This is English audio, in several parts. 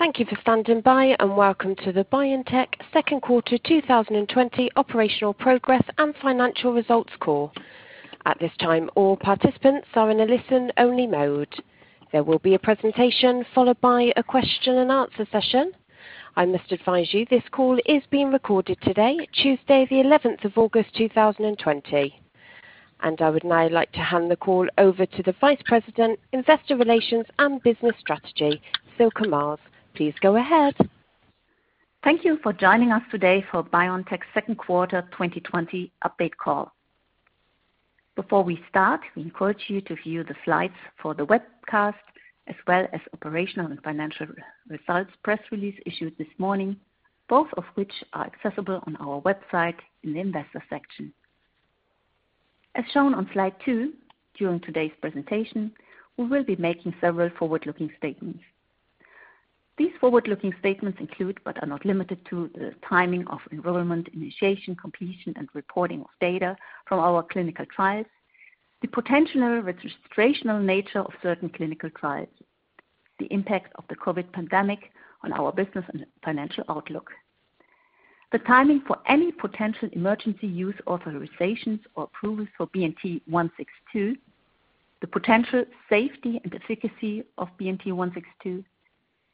Thank you for standing by, welcome to the BioNTech Second Quarter 2020 Operational Progress and Financial Results Call. At this time, all participants are in a listen-only mode. There will be a presentation followed by a question and answer session. I must advise you this call is being recorded today, Tuesday the 11th of August 2020. I would now like to hand the call over to the Vice President, Investor Relations and Business Strategy, Sylke Maas. Please go ahead. Thank you for joining us today for BioNTech's second quarter 2020 update call. Before we start, we encourage you to view the slides for the webcast, as well as operational and financial results press release issued this morning, both of which are accessible on our website in the Investors section. As shown on slide two, during today's presentation, we will be making several forward-looking statements. These forward-looking statements include, but are not limited to, the timing of enrollment, initiation, completion, and reporting of data from our clinical trials, the potential registrational nature of certain clinical trials, the impact of the COVID pandemic on our business and financial outlook, the timing for any potential emergency use authorizations or approvals for BNT162, the potential safety and efficacy of BNT162,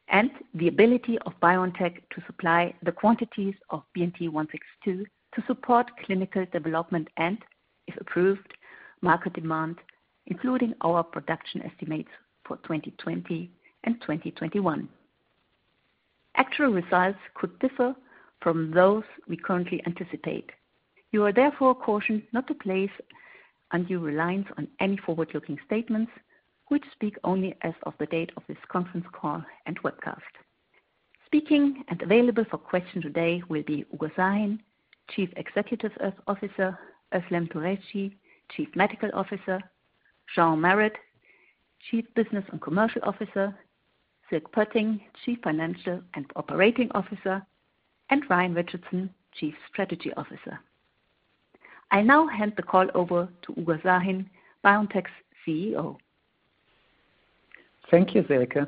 and the ability of BioNTech to supply the quantities of BNT162 to support clinical development and, if approved, market demand, including our production estimates for 2020 and 2021. Actual results could differ from those we currently anticipate. You are therefore cautioned not to place undue reliance on any forward-looking statements, which speak only as of the date of this conference call and webcast. Speaking and available for question today will be Ugur Sahin, Chief Executive Officer, Özlem Türeci, Chief Medical Officer, Sean Marett, Chief Business and Commercial Officer, Sierk Poetting, Chief Financial and Operating Officer, and Ryan Richardson, Chief Strategy Officer. I now hand the call over to Ugur Sahin, BioNTech's CEO. Thank you, Sylke.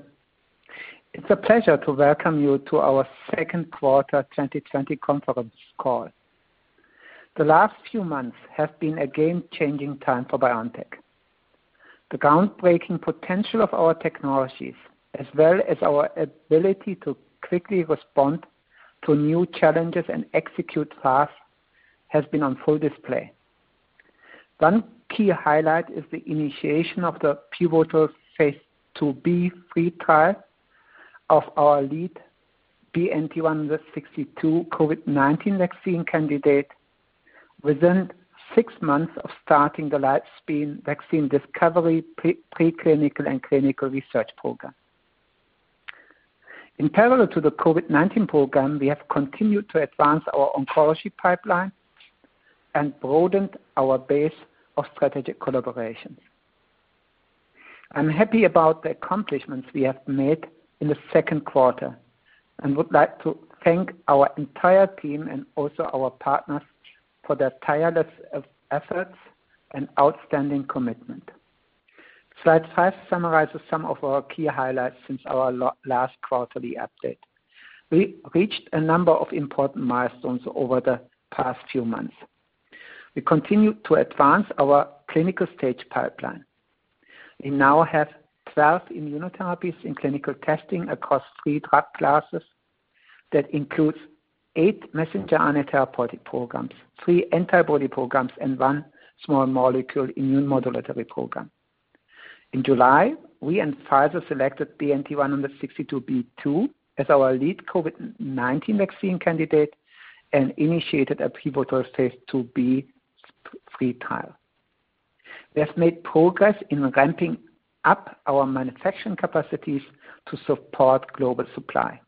It's a pleasure to welcome you to our second quarter 2020 conference call. The last few months have been a game-changing time for BioNTech. The groundbreaking potential of our technologies, as well as our ability to quickly respond to new challenges and execute fast, has been on full display. One key highlight is the initiation of the pivotal phase II-B/III trial of our lead BNT162 COVID-19 vaccine candidate within six months of starting the live vaccine discovery, pre-clinical and clinical research program. In parallel to the COVID-19 program, we have continued to advance our oncology pipeline and broadened our base of strategic collaborations. I'm happy about the accomplishments we have made in the second quarter and would like to thank our entire team and also our partners for their tireless efforts and outstanding commitment. Slide five summarizes some of our key highlights since our last quarterly update. We reached a number of important milestones over the past few months. We continued to advance our clinical stage pipeline. We now have 12 immunotherapies in clinical testing across 3 drug classes. That includes eight messenger therapeutic programs, three antibody programs, and one small molecule immune modulatory program. In July, we and Pfizer selected BNT162b2 as our lead COVID-19 vaccine candidate and initiated a pivotal phase II-B/III trial. We have made progress in ramping up our manufacturing capacities to support global supply.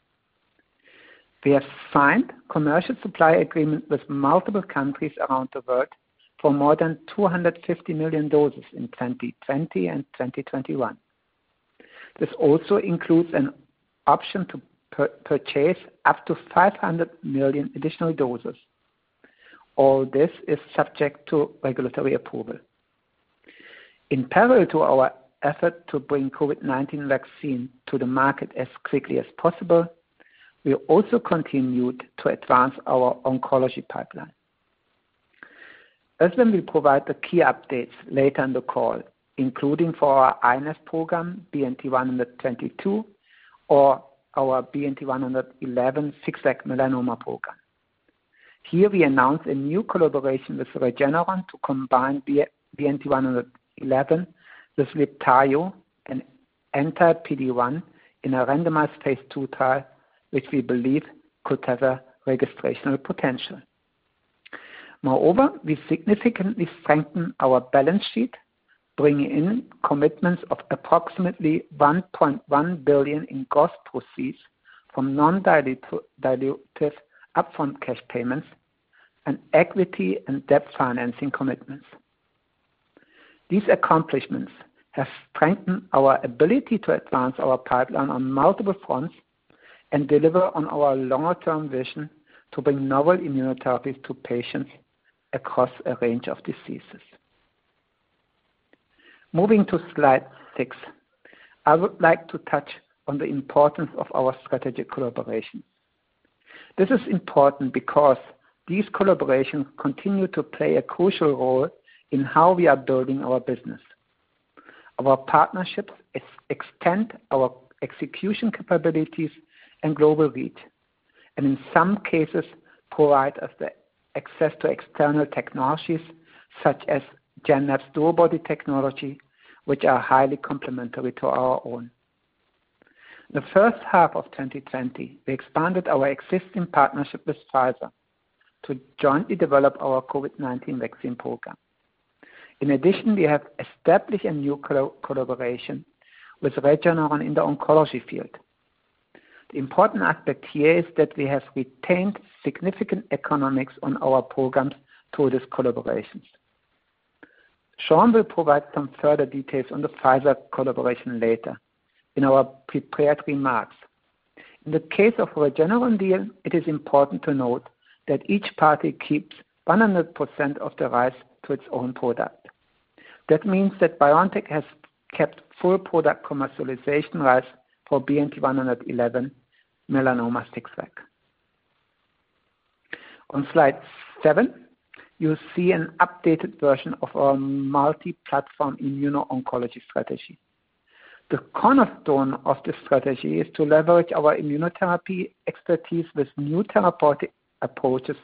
We have signed commercial supply agreement with multiple countries around the world for more than 250 million doses in 2020 and 2021. This also includes an option to purchase up to 500 million additional doses. All this is subject to regulatory approval. In parallel to our effort to bring COVID-19 vaccine to the market as quickly as possible, we also continued to advance our oncology pipeline. Özlem will provide the key updates later in the call, including for our iNeST program, BNT122, or our BNT111 FixVac melanoma program. Here, we announce a new collaboration with Regeneron to combine BNT111 with LIBTAYO and anti-PD-1 in a randomized phase II trial, which we believe could have a registrational potential. Moreover, we significantly strengthened our balance sheet, bringing in commitments of approximately 1.1 billion in gross proceeds from non-dilutive upfront cash payments and equity and debt financing commitments. These accomplishments have strengthened our ability to advance our pipeline on multiple fronts and deliver on our longer-term vision to bring novel immunotherapies to patients across a range of diseases. Moving to slide six, I would like to touch on the importance of our strategic collaboration. This is important because these collaborations continue to play a crucial role in how we are building our business. Our partnerships extend our execution capabilities and global reach. In some cases, provide us the access to external technologies such as Genmab's DuoBody technology, which are highly complementary to our own. The first half of 2020, we expanded our existing partnership with Pfizer to jointly develop our COVID-19 vaccine program. In addition, we have established a new collaboration with Regeneron in the oncology field. The important aspect here is that we have retained significant economics on our programs through these collaborations. Sean will provide some further details on the Pfizer collaboration later in our prepared remarks. In the case of Regeneron deal, it is important to note that each party keeps 100% of the rights to its own product. That means that BioNTech has kept full product commercialization rights for BNT111 melanoma FixVac. On slide seven, you'll see an updated version of our multi-platform immuno-oncology strategy. The cornerstone of this strategy is to leverage our immunotherapy expertise with new therapeutic approaches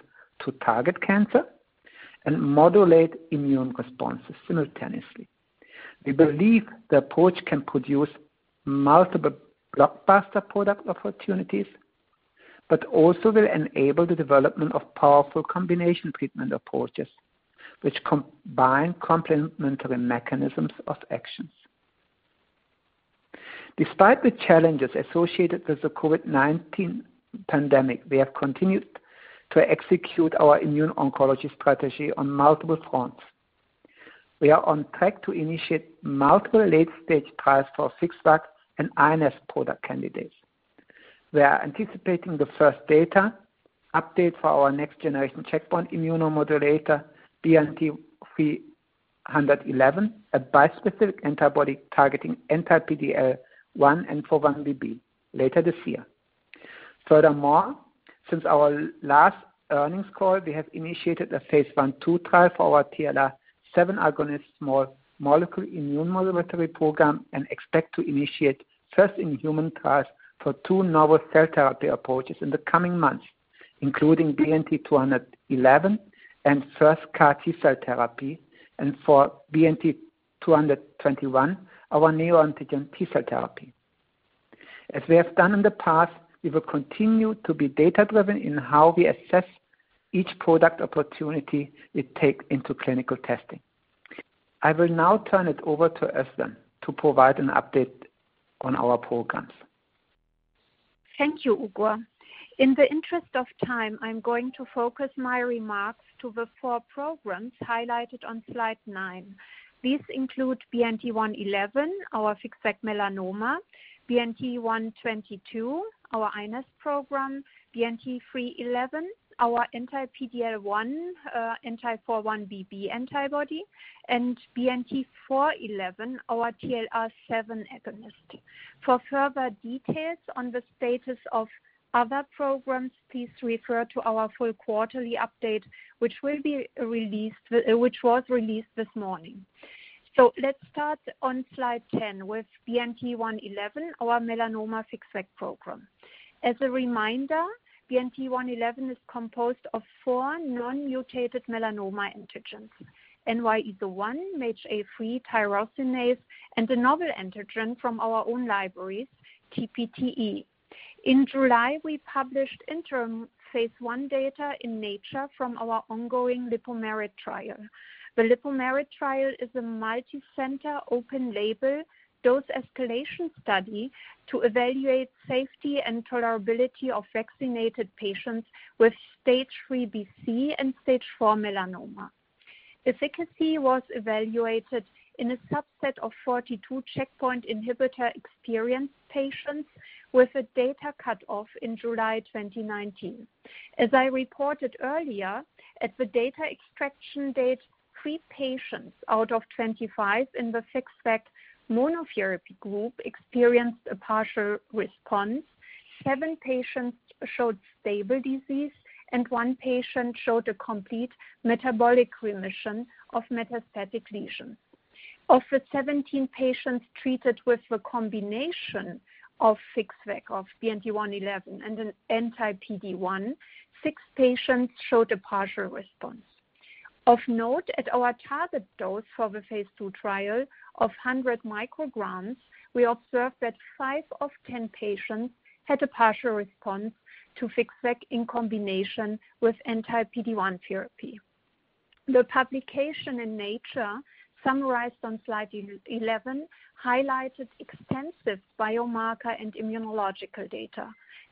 to target cancer and modulate immune responses simultaneously. We believe the approach can produce multiple blockbuster product opportunities, but also will enable the development of powerful combination treatment approaches, which combine complementary mechanisms of actions. Despite the challenges associated with the COVID-19 pandemic, we have continued to execute our immuno-oncology strategy on multiple fronts. We are on track to initiate multiple late-stage trials for FixVac and iNeST product candidates. We are anticipating the first data update for our next-generation checkpoint immunomodulator, BNT311, a bispecific antibody targeting anti-PD-L1 and 4-1BB, later this year. Since our last earnings call, we have initiated a phase I/II trial for our TLR7 agonist small molecule immune modulatory program and expect to initiate first-in-human trials for two novel cell therapy approaches in the coming months, including BNT211 and first CAR-T cell therapy, and for BNT221, our neoantigen T-cell therapy. As we have done in the past, we will continue to be data-driven in how we assess each product opportunity we take into clinical testing. I will now turn it over to Özlem to provide an update on our programs. Thank you, Ugur. In the interest of time, I'm going to focus my remarks to the four programs highlighted on slide nine. These include BNT111, our FixVac melanoma, BNT122, our iNeST program, BNT311, our anti-PD-L1, anti-4-1BB antibody, and BNT411, our TLR7 agonist. For further details on the status of other programs, please refer to our full quarterly update which was released this morning. Let's start on slide 10 with BNT111, our melanoma FixVac program. As a reminder, BNT111 is composed of four non-mutated melanoma antigens, NY-ESO-1, MAGE-A3, tyrosinase, and a novel antigen from our own libraries, TPTE. In July, we published interim phase I data in Nature from our ongoing Lipo-MERIT trial. The Lipo-MERIT trial is a multicenter open-label dose escalation study to evaluate safety and tolerability of vaccinated patients with stage III-B/C and stage IV melanoma. Efficacy was evaluated in a subset of 42 checkpoint inhibitor experienced patients with a data cutoff in July 2019. As I reported earlier, at the data extraction date, three patients out of 25 in the FixVac monotherapy group experienced a partial response. Seven patients showed stable disease, and one patient showed a complete metabolic remission of metastatic lesions. Of the 17 patients treated with the combination of FixVac of BNT111 and an anti-PD-1, six patients showed a partial response. Of note, at our target dose for the phase II trial of 100 micrograms, we observed that five of 10 patients had a partial response to FixVac in combination with anti-PD-1 therapy. The publication in Nature summarized on slide 11 highlighted extensive biomarker and immunological data.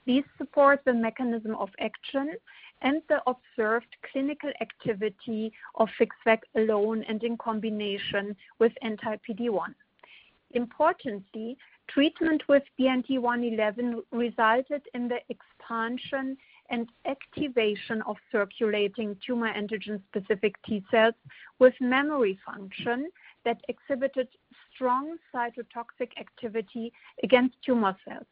These support the mechanism of action and the observed clinical activity of FixVac alone and in combination with anti-PD-1. Importantly, treatment with BNT111 resulted in the expansion and activation of circulating tumor antigen-specific T cells with memory function that exhibited strong cytotoxic activity against tumor cells.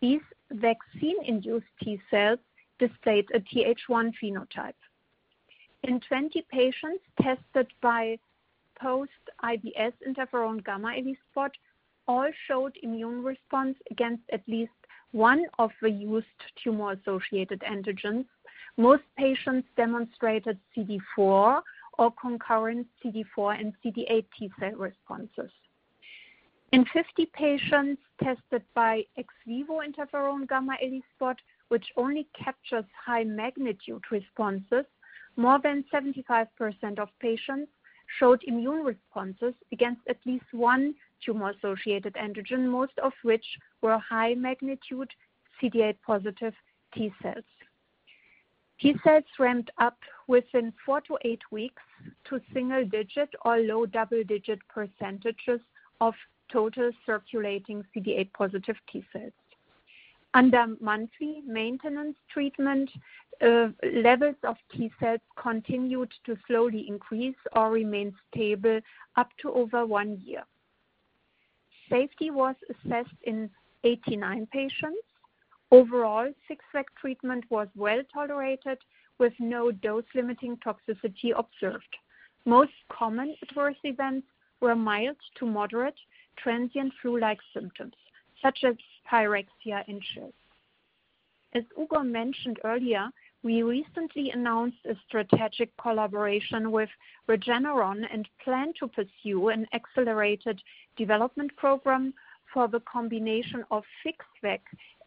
These vaccine-induced T cells displayed a TH1 phenotype. In 20 patients tested by post-IVS interferon-gamma ELISpot, all showed immune response against at least one of the used tumor-associated antigens. Most patients demonstrated CD4 or concurrent CD4 and CD8 T cell responses. In 50 patients tested by ex vivo interferon-gamma ELISpot, which only captures high magnitude responses, more than 75% of patients showed immune responses against at least one tumor-associated antigen, most of which were high magnitude CD8 positive T cells. T cells ramped up within four to eight weeks to single digit or low double-digit percentage of total circulating CD8 positive T cells. Under monthly maintenance treatment, levels of T cells continued to slowly increase or remain stable up to over one year. Safety was assessed in 89 patients. Overall, FixVac treatment was well-tolerated with no dose-limiting toxicity observed. Most common adverse events were mild to moderate transient flu-like symptoms, such as pyrexia and chills. As Ugur mentioned earlier, we recently announced a strategic collaboration with Regeneron and plan to pursue an accelerated development program for the combination of FixVac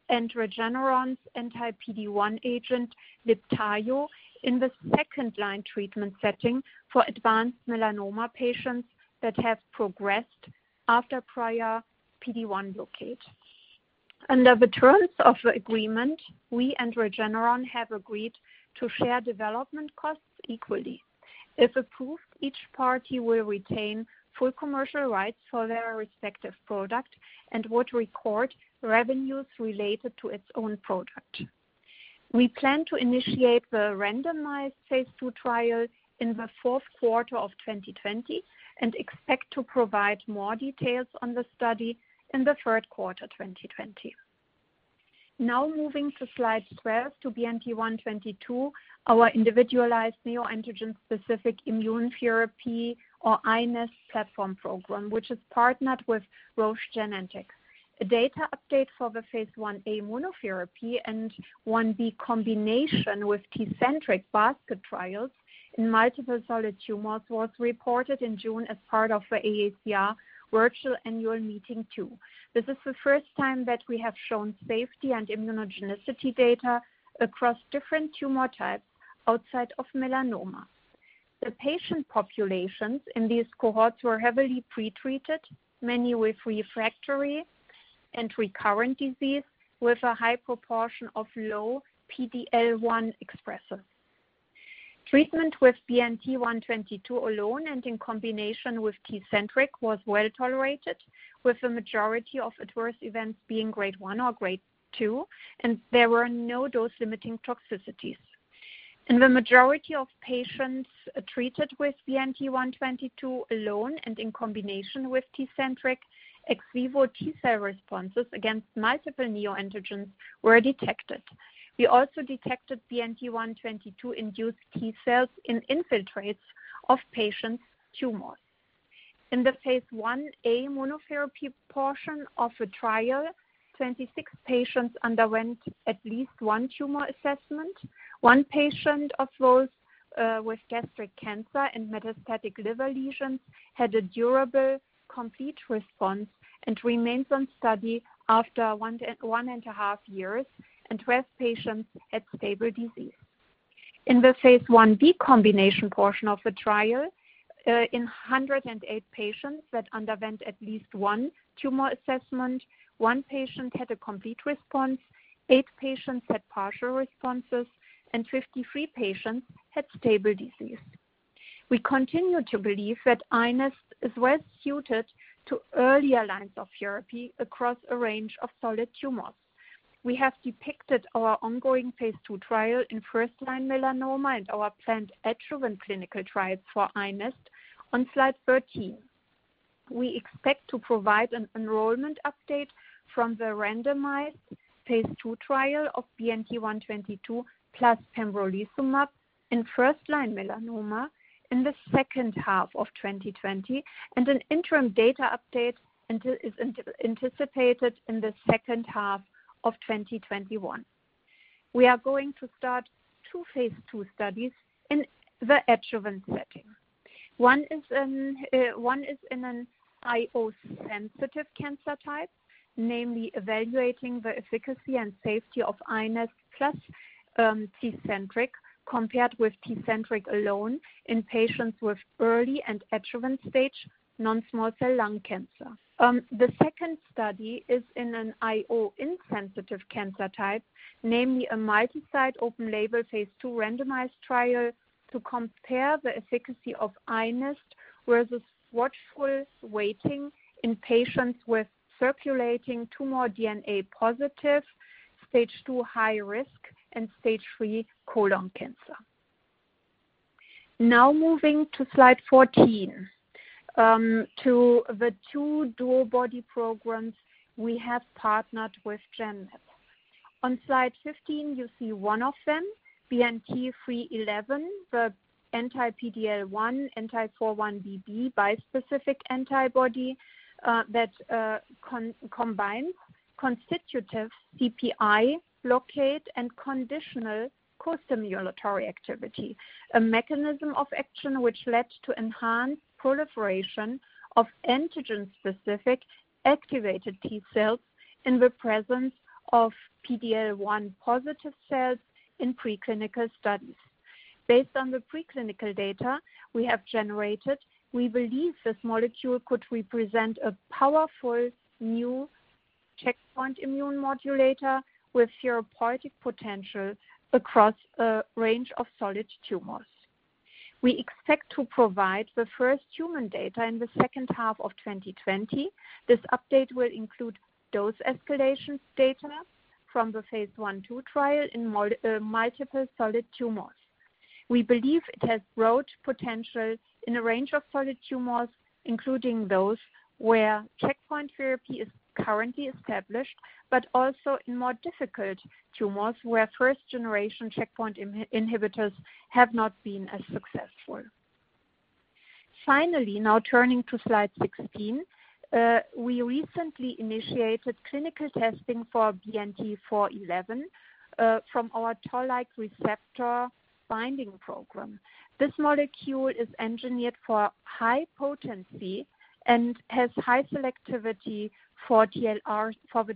and Regeneron's anti-PD-1 agent, LIBTAYO, in the 2nd-line treatment setting for advanced melanoma patients that have progressed after prior PD-1 blockade. Under the terms of the agreement, we and Regeneron have agreed to share development costs equally. If approved, each party will retain full commercial rights for their respective product and would record revenues related to its own product. We plan to initiate the randomized Phase II trial in the fourth quarter of 2020 and expect to provide more details on the study in the third quarter 2020. Moving to slide 12 to BNT122, our individualized neoantigen-specific immune therapy or iNeST platform program, which is partnered with Roche Genentech. A data update for the Phase I-A monotherapy and I-B combination with KEYTRUDA basket trials in multiple solid tumors was reported in June as part of the AACR Virtual Annual Meeting 2. This is the first time that we have shown safety and immunogenicity data across different tumor types outside of melanoma. The patient populations in these cohorts were heavily pretreated, many with refractory and recurrent disease, with a high proportion of low PD-L1 expressers. Treatment with BNT122 alone and in combination with KEYTRUDA was well-tolerated, with the majority of adverse events being Grade 1 or Grade 2, and there were no dose-limiting toxicities. In the majority of patients treated with BNT122 alone and in combination with KEYTRUDA, ex vivo T cell responses against multiple neoantigens were detected. We also detected BNT122-induced T cells in infiltrates of patients' tumors. In the phase I-A monotherapy portion of the trial, 26 patients underwent at least one tumor assessment. One patient of those with gastric cancer and metastatic liver lesions had a durable complete response and remains on study after one and a half years, and 12 patients had stable disease. In the phase I-B combination portion of the trial, in 108 patients that underwent at least one tumor assessment, one patient had a complete response, eight patients had partial responses, and 53 patients had stable disease. We continue to believe that iNeST is well-suited to earlier lines of therapy across a range of solid tumors. We have depicted our ongoing phase II trial in first-line melanoma and our planned adjuvant clinical trials for iNeST on slide 13. We expect to provide an enrollment update from the randomized phase II trial of BNT122 plus pembrolizumab in first-line melanoma in the second half of 2020, and an interim data update is anticipated in the second half of 2021. We are going to start two phase II studies in the adjuvant setting. One is in an IO-sensitive cancer type, namely evaluating the efficacy and safety of iNeST plus Tecentriq compared with Tecentriq alone in patients with early and adjuvant stage non-small cell lung cancer. The second study is in an IO-insensitive cancer type, namely a multicenter, open-label, phase II randomized trial to compare the efficacy of iNeST versus watchful waiting in patients with circulating tumor DNA positive stage two high risk and stage three colon cancer. Now moving to slide 14, to the two dual body programs we have partnered with Genmab. On slide 15, you see one of them, BNT311, the anti-PD-L1/anti-4-1BB bispecific antibody that combines constitutive CPI blockade and conditional costimulatory activity, a mechanism of action which led to enhanced proliferation of antigen-specific activated T cells in the presence of PD-L1-positive cells in preclinical studies. Based on the preclinical data we have generated, we believe this molecule could represent a powerful new checkpoint immune modulator with therapeutic potential across a range of solid tumors. We expect to provide the first human data in the second half of 2020. This update will include dose escalation data from the phase I/II trial in multiple solid tumors. We believe it has broad potential in a range of solid tumors, including those where checkpoint therapy is currently established, but also in more difficult tumors where first-generation checkpoint inhibitors have not been as successful. Finally, now turning to slide 16. We recently initiated clinical testing for BNT411 from our toll-like receptor binding program. This molecule is engineered for high potency and has high selectivity for the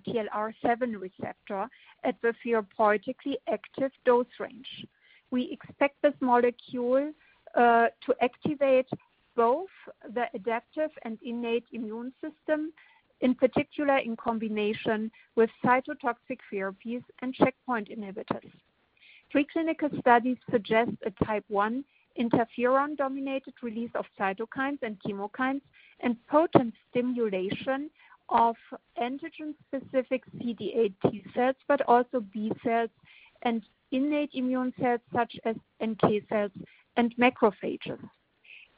TLR7 receptor at the therapeutically active dose range. We expect this molecule to activate both the adaptive and innate immune system, in particular in combination with cytotoxic therapies and checkpoint inhibitors. Preclinical studies suggest a type one interferon-dominated release of cytokines and chemokines and potent stimulation of antigen-specific CD8 T cells, but also B cells and innate immune cells such as NK cells and macrophages.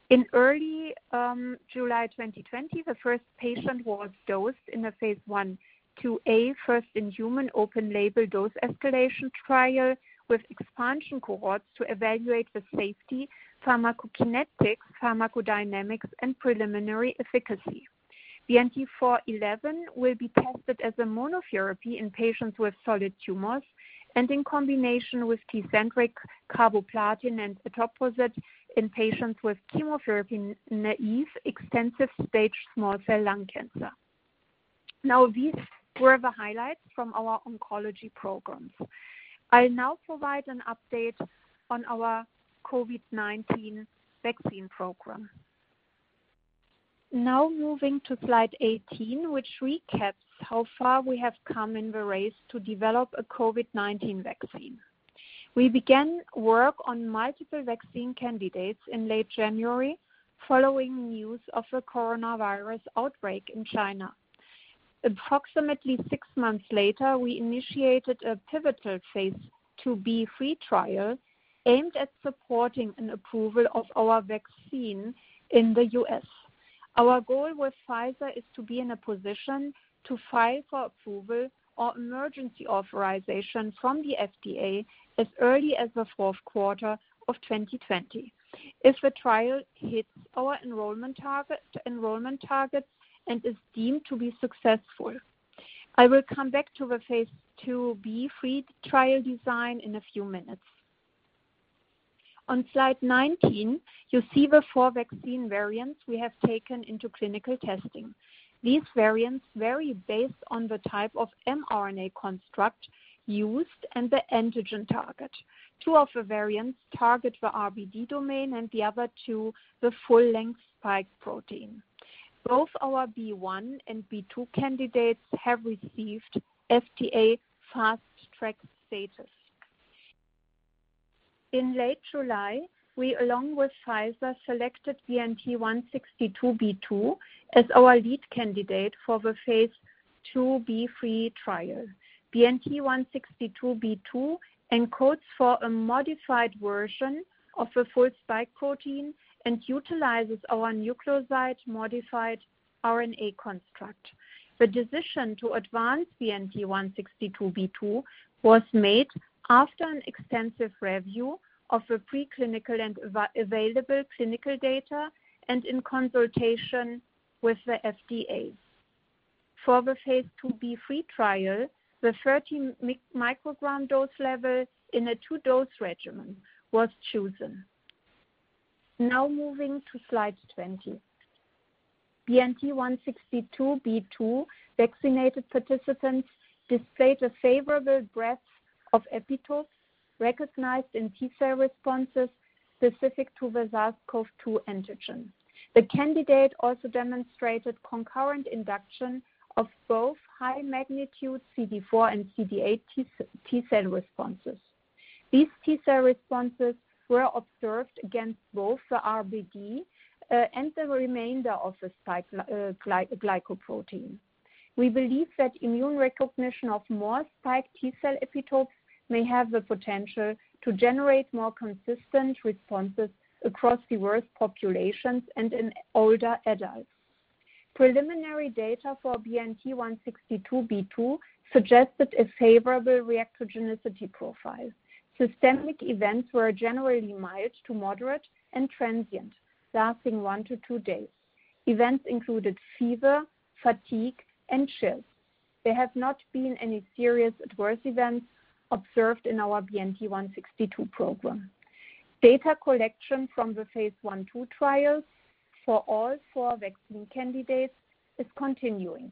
In early July 2020, the first patient was dosed in a phase I/II first-in-human open-label dose escalation trial with expansion cohorts to evaluate the safety, pharmacokinetics, pharmacodynamics, and preliminary efficacy. BNT411 will be tested as a monotherapy in patients with solid tumors and in combination with TECENTRIQ, carboplatin, and cetuximab in patients with chemotherapy-naive extensive stage small cell lung cancer. Now these were the highlights from our oncology programs. I'll now provide an update on our COVID-19 vaccine program. Now moving to slide 18, which recaps how far we have come in the race to develop a COVID-19 vaccine. We began work on multiple vaccine candidates in late January following news of the coronavirus outbreak in China. Approximately six months later, we initiated a pivotal phase IIb/III trial aimed at supporting an approval of our vaccine in the U.S. Our goal with Pfizer is to be in a position to file for approval or emergency authorization from the FDA as early as the fourth quarter of 2020. If the trial hits our enrollment targets and is deemed to be successful. I will come back to the phase IIb/III trial design in a few minutes. On slide 19, you see the four vaccine variants we have taken into clinical testing. These variants vary based on the type of mRNA construct used and the antigen target. Two of the variants target the RBD domain and the other two, the full-length spike protein. Both our B1 and B2 candidates have received FDA Fast Track status. In late July, we, along with Pfizer, selected BNT162b2 as our lead candidate for the phase IIb/III trial. BNT162b2 encodes for a modified version of the full spike protein and utilizes our nucleoside-modified RNA construct. The decision to advance BNT162b2 was made after an extensive review of the preclinical and available clinical data and in consultation with the FDA. For the phase IIb/III trial, the 30 microgram dose level in a two-dose regimen was chosen. Now moving to slide 20. BNT162b2 vaccinated participants displayed a favorable breadth of epitopes recognized in T cell responses specific to the SARS-CoV-2 antigen. The candidate also demonstrated concurrent induction of both high magnitude CD4 and CD8 T cell responses. These T cell responses were observed against both the RBD and the remainder of the spike glycoprotein. We believe that immune recognition of more spike T cell epitopes may have the potential to generate more consistent responses across diverse populations and in older adults. Preliminary data for BNT162b2 suggested a favorable reactogenicity profile. Systemic events were generally mild to moderate and transient, lasting one to two days. Events included fever, fatigue, and chills. There have not been any serious adverse events observed in our BNT162 program. Data collection from the phase I/II trials for all four vaccine candidates is continuing.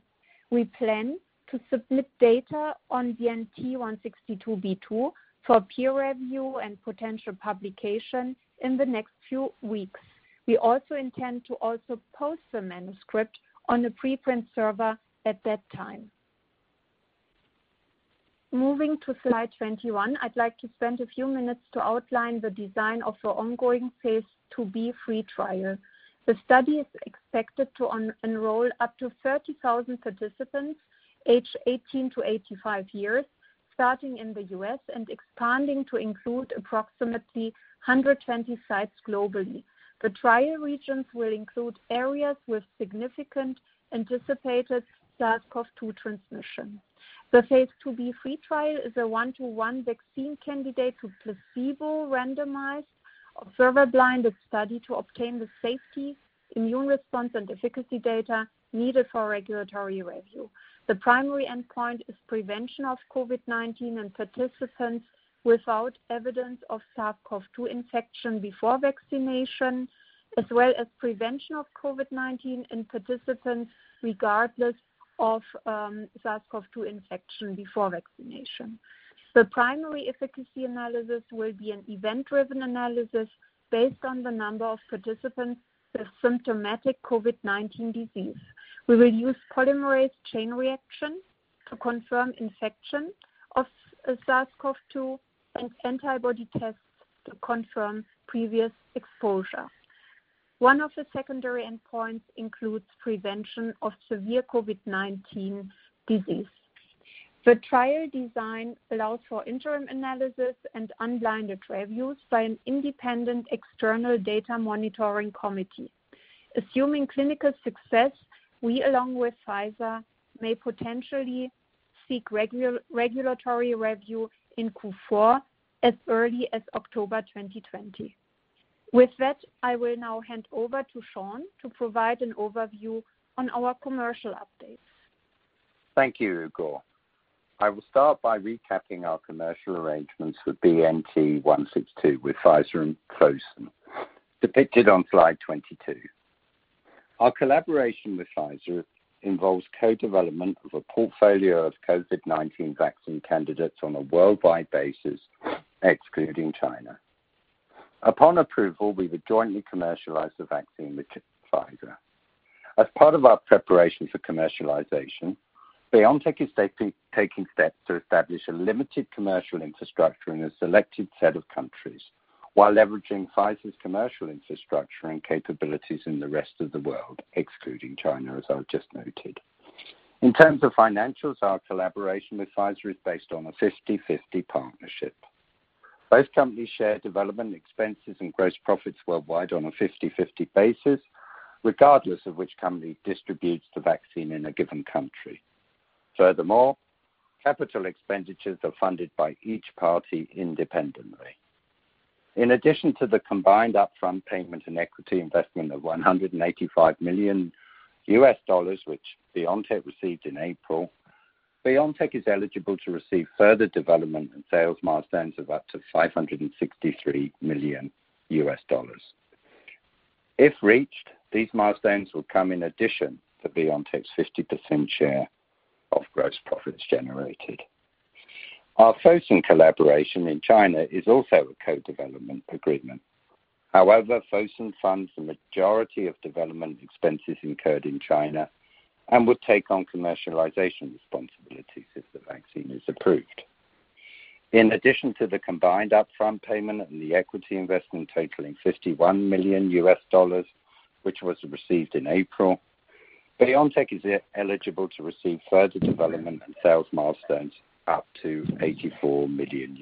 We plan to submit data on BNT162b2 for peer review and potential publication in the next few weeks. We also intend to also post the manuscript on a preprint server at that time. Moving to slide 21, I'd like to spend a few minutes to outline the design of our ongoing phase II-B/III trial. The study is expected to enroll up to 30,000 participants age 18-85 years, starting in the U.S. and expanding to include approximately 120 sites globally. The trial regions will include areas with significant anticipated SARS-CoV-2 transmission. The phase II-B/III trial is a 1-to-1 vaccine candidate to placebo randomized observer-blinded study to obtain the safety, immune response, and efficacy data needed for regulatory review. The primary endpoint is prevention of COVID-19 in participants without evidence of SARS-CoV-2 infection before vaccination, as well as prevention of COVID-19 in participants regardless of SARS-CoV-2 infection before vaccination. The primary efficacy analysis will be an event-driven analysis based on the number of participants with symptomatic COVID-19 disease. We will use polymerase chain reaction to confirm infection of SARS-CoV-2 and antibody tests to confirm previous exposure. One of the secondary endpoints includes prevention of severe COVID-19 disease. The trial design allows for interim analysis and unblinded reviews by an independent external data monitoring committee. Assuming clinical success, we along with Pfizer may potentially seek regulatory review in Q4 as early as October 2020. With that, I will now hand over to to provide an overview on our commercial updates. Thank you, Ugur. I will start by recapping our commercial arrangements with BNT162 with Pfizer and Fosun. Depicted on slide 22. Our collaboration with Pfizer involves co-development of a portfolio of COVID-19 vaccine candidates on a worldwide basis, excluding China. Upon approval, we would jointly commercialize the vaccine with Pfizer. As part of our preparation for commercialization, BioNTech is taking steps to establish a limited commercial infrastructure in a selected set of countries while leveraging Pfizer's commercial infrastructure and capabilities in the rest of the world, excluding China, as I just noted. In terms of financials, our collaboration with Pfizer is based on a 50/50 partnership. Both companies share development expenses and gross profits worldwide on a 50/50 basis, regardless of which company distributes the vaccine in a given country. Furthermore, capital expenditures are funded by each party independently. In addition to the combined upfront payment and equity investment of $185 million, which BioNTech received in April, BioNTech is eligible to receive further development and sales milestones of up to EUR 563 million. If reached, these milestones will come in addition to BioNTech's 50% share of gross profits generated. Our Fosun collaboration in China is also a co-development agreement. However, Fosun funds the majority of development expenses incurred in China and would take on commercialization responsibilities if the vaccine is approved. In addition to the combined upfront payment and the equity investment totaling $51 million, which was received in April, BioNTech is eligible to receive further development and sales milestones up to $84 million.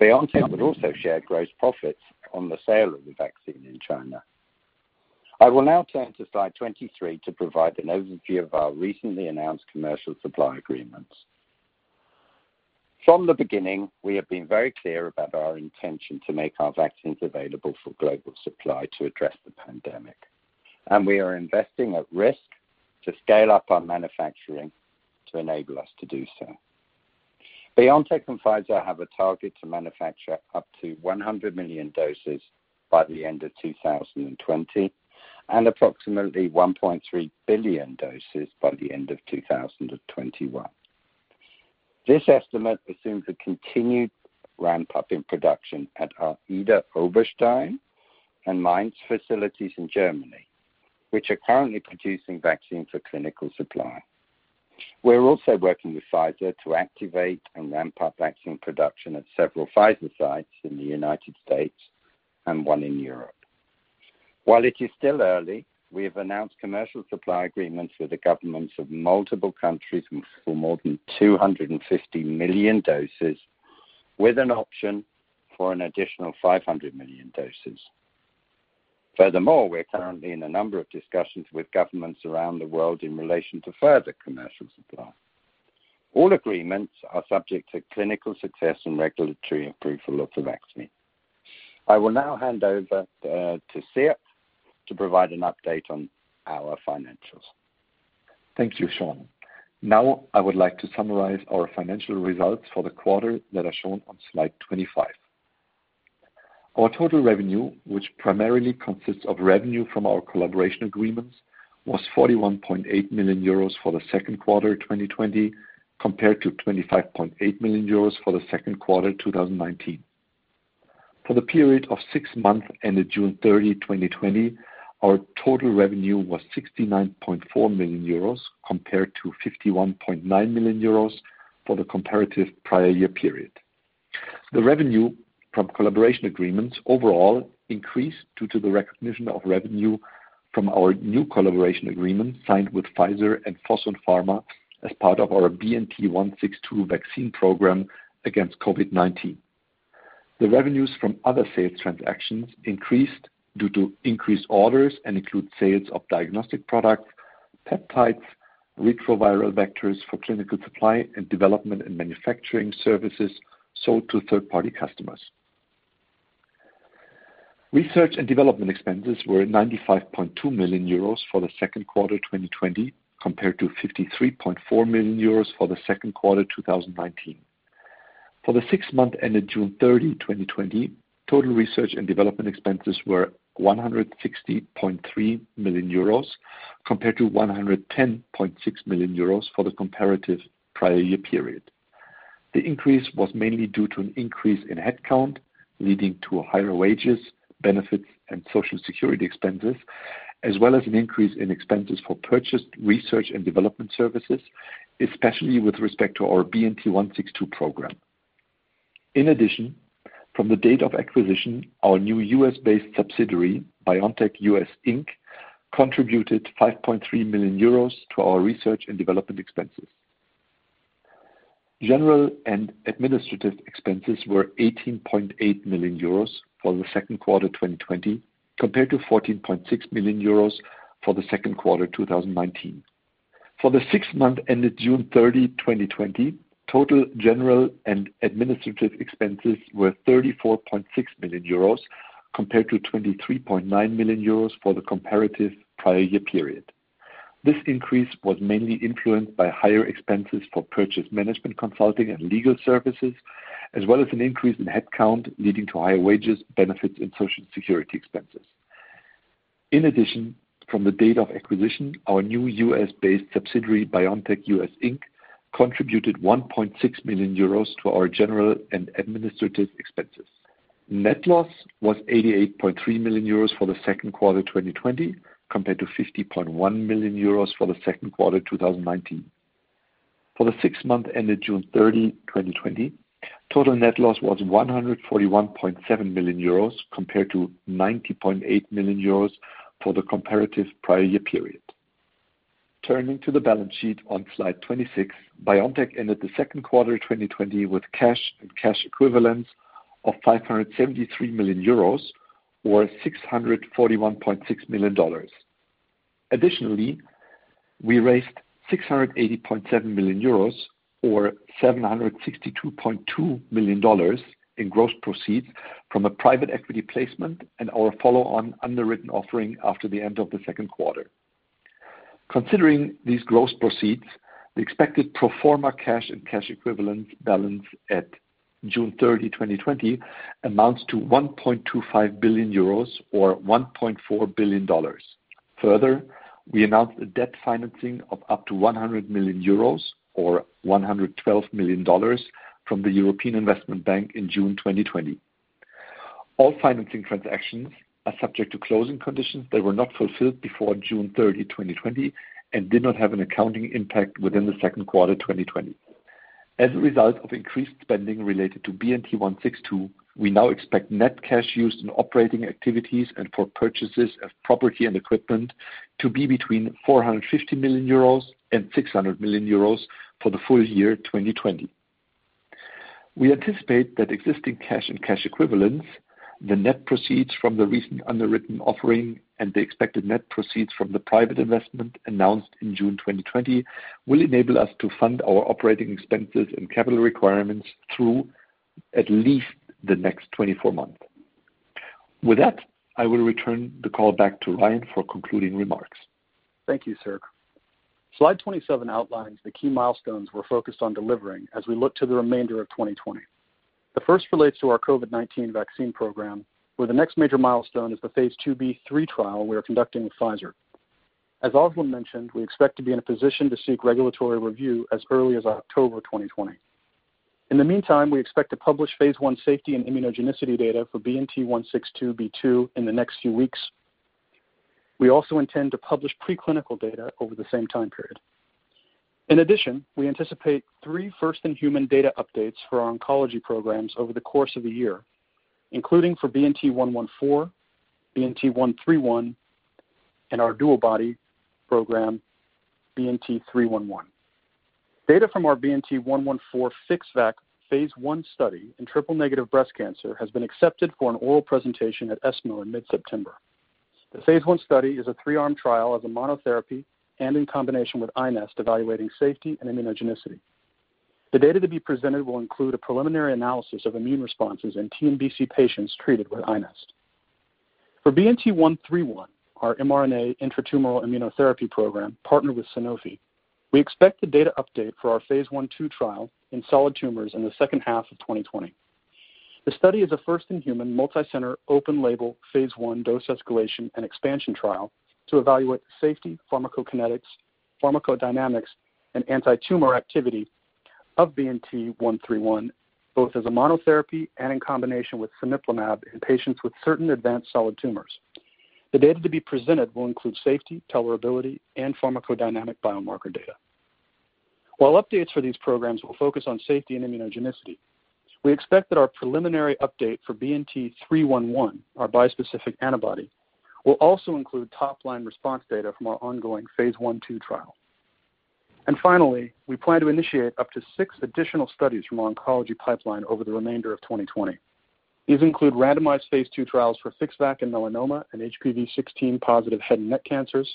BioNTech would also share gross profits on the sale of the vaccine in China. I will now turn to slide 23 to provide an overview of our recently announced commercial supply agreements. From the beginning, we have been very clear about our intention to make our vaccines available for global supply to address the pandemic, and we are investing at risk to scale up our manufacturing to enable us to do so. BioNTech and Pfizer have a target to manufacture up to 100 million doses by the end of 2020, and approximately 1.3 billion doses by the end of 2021. This estimate assumes a continued ramp-up in production at our Idar-Oberstein and Mainz facilities in Germany, which are currently producing vaccine for clinical supply. We're also working with Pfizer to activate and ramp up vaccine production at several Pfizer sites in the U.S. and one in Europe. While it is still early, we have announced commercial supply agreements with the governments of multiple countries for more than 250 million doses, with an option for an additional 500 million doses. Furthermore, we're currently in a number of discussions with governments around the world in relation to further commercial supply. All agreements are subject to clinical success and regulatory approval of the vaccine. I will now hand over to Sierk to provide an update on our financials. Thank you, Sean. Now, I would like to summarize our financial results for the quarter that are shown on slide 25. Our total revenue, which primarily consists of revenue from our collaboration agreements, was 41.8 million euros for the second quarter 2020, compared to 25.8 million euros for the second quarter 2019. For the period of six months ended June 30, 2020, our total revenue was 69.4 million euros compared to 51.9 million euros for the comparative prior year period. The revenue from collaboration agreements overall increased due to the recognition of revenue from our new collaboration agreement signed with Pfizer and Fosun Pharma as part of our BNT162 vaccine program against COVID-19. The revenues from other sales transactions increased due to increased orders and include sales of diagnostic products, peptides, retroviral vectors for clinical supply, and development and manufacturing services sold to third-party customers. Research and development expenses were 95.2 million euros for the second quarter 2020, compared to 53.4 million euros for the second quarter 2019. For the six months ended June 30, 2020, total research and development expenses were 160.3 million euros compared to 110.6 million euros for the comparative prior year period. The increase was mainly due to an increase in headcount, leading to higher wages, benefits, and Social Security expenses, as well as an increase in expenses for purchased research and development services, especially with respect to our BNT162 program. In addition, from the date of acquisition, our new U.S.-based subsidiary, BioNTech US Inc., contributed 5.3 million euros to our research and development expenses. General and administrative expenses were 18.8 million euros for the second quarter 2020, compared to 14.6 million euros for the second quarter 2019. For the six months ended June 30, 2020, total general and administrative expenses were 34.6 million euros compared to 23.9 million euros for the comparative prior year period. This increase was mainly influenced by higher expenses for purchase management consulting and legal services, as well as an increase in headcount, leading to higher wages, benefits, and Social Security expenses. In addition, from the date of acquisition, our new US-based subsidiary, BioNTech US Inc., contributed 1.6 million euros to our general and administrative expenses. Net loss was 88.3 million euros for the second quarter 2020, compared to 50.1 million euros for the second quarter 2019. For the six months ended June 30, 2020, total net loss was 141.7 million euros compared to 90.8 million euros for the comparative prior year period. Turning to the balance sheet on Slide 26, BioNTech ended the second quarter 2020 with cash and cash equivalents of 573 million euros, or $641.6 million. Additionally, we raised 680.7 million euros or $762.2 million in gross proceeds from a private equity placement and our follow-on underwritten offering after the end of the second quarter. Considering these gross proceeds, the expected pro forma cash and cash equivalents balance at June 30, 2020, amounts to 1.25 billion euros or $1.4 billion. We announced a debt financing of up to 100 million euros or $112 million from the European Investment Bank in June 2020. All financing transactions are subject to closing conditions that were not fulfilled before June 30, 2020, and did not have an accounting impact within the second quarter 2020. As a result of increased spending related to BNT162, we now expect net cash used in operating activities and for purchases of property and equipment to be between 450 million euros and 600 million euros for the full year 2020. We anticipate that existing cash and cash equivalents, the net proceeds from the recent underwritten offering, and the expected net proceeds from the private investment announced in June 2020 will enable us to fund our operating expenses and capital requirements through at least the next 24 months. With that, I will return the call back to Ryan for concluding remarks. Thank you, Sierk. Slide 27 outlines the key milestones we're focused on delivering as we look to the remainder of 2020. The first relates to our COVID-19 vaccine program, where the next major milestone is the phase IIB/III trial we are conducting with Pfizer. As Özlem mentioned, we expect to be in a position to seek regulatory review as early as October 2020. In the meantime, we expect to publish phase I safety and immunogenicity data for BNT162b2 in the next few weeks. We also intend to publish preclinical data over the same time period. In addition, we anticipate three first-in-human data updates for our oncology programs over the course of the year, including for BNT114, BNT131, and our dual body program, BNT311. Data from our BNT114 FixVac phase I study in triple-negative breast cancer has been accepted for an oral presentation at ESMO in mid-September. The phase I study is a three-arm trial as a monotherapy and in combination with iNeST evaluating safety and immunogenicity. The data to be presented will include a preliminary analysis of immune responses in TNBC patients treated with iNeST. For BNT131, our mRNA intratumoral immunotherapy program, partnered with Sanofi, we expect the data update for our phase I/II trial in solid tumors in the second half of 2020. The study is a first in human multicenter open-label phase I dose escalation and expansion trial to evaluate the safety, pharmacokinetics, pharmacodynamics, and antitumor activity of BNT131, both as a monotherapy and in combination with cemiplimab in patients with certain advanced solid tumors. The data to be presented will include safety, tolerability, and pharmacodynamic biomarker data. While updates for these programs will focus on safety and immunogenicity, we expect that our preliminary update for BNT311, our bispecific antibody, will also include top-line response data from our ongoing phase I/II trial. Finally, we plan to initiate up to six additional studies from our oncology pipeline over the remainder of 2020. These include randomized phase II trials for FixVac in melanoma and HPV 16 positive head and neck cancers,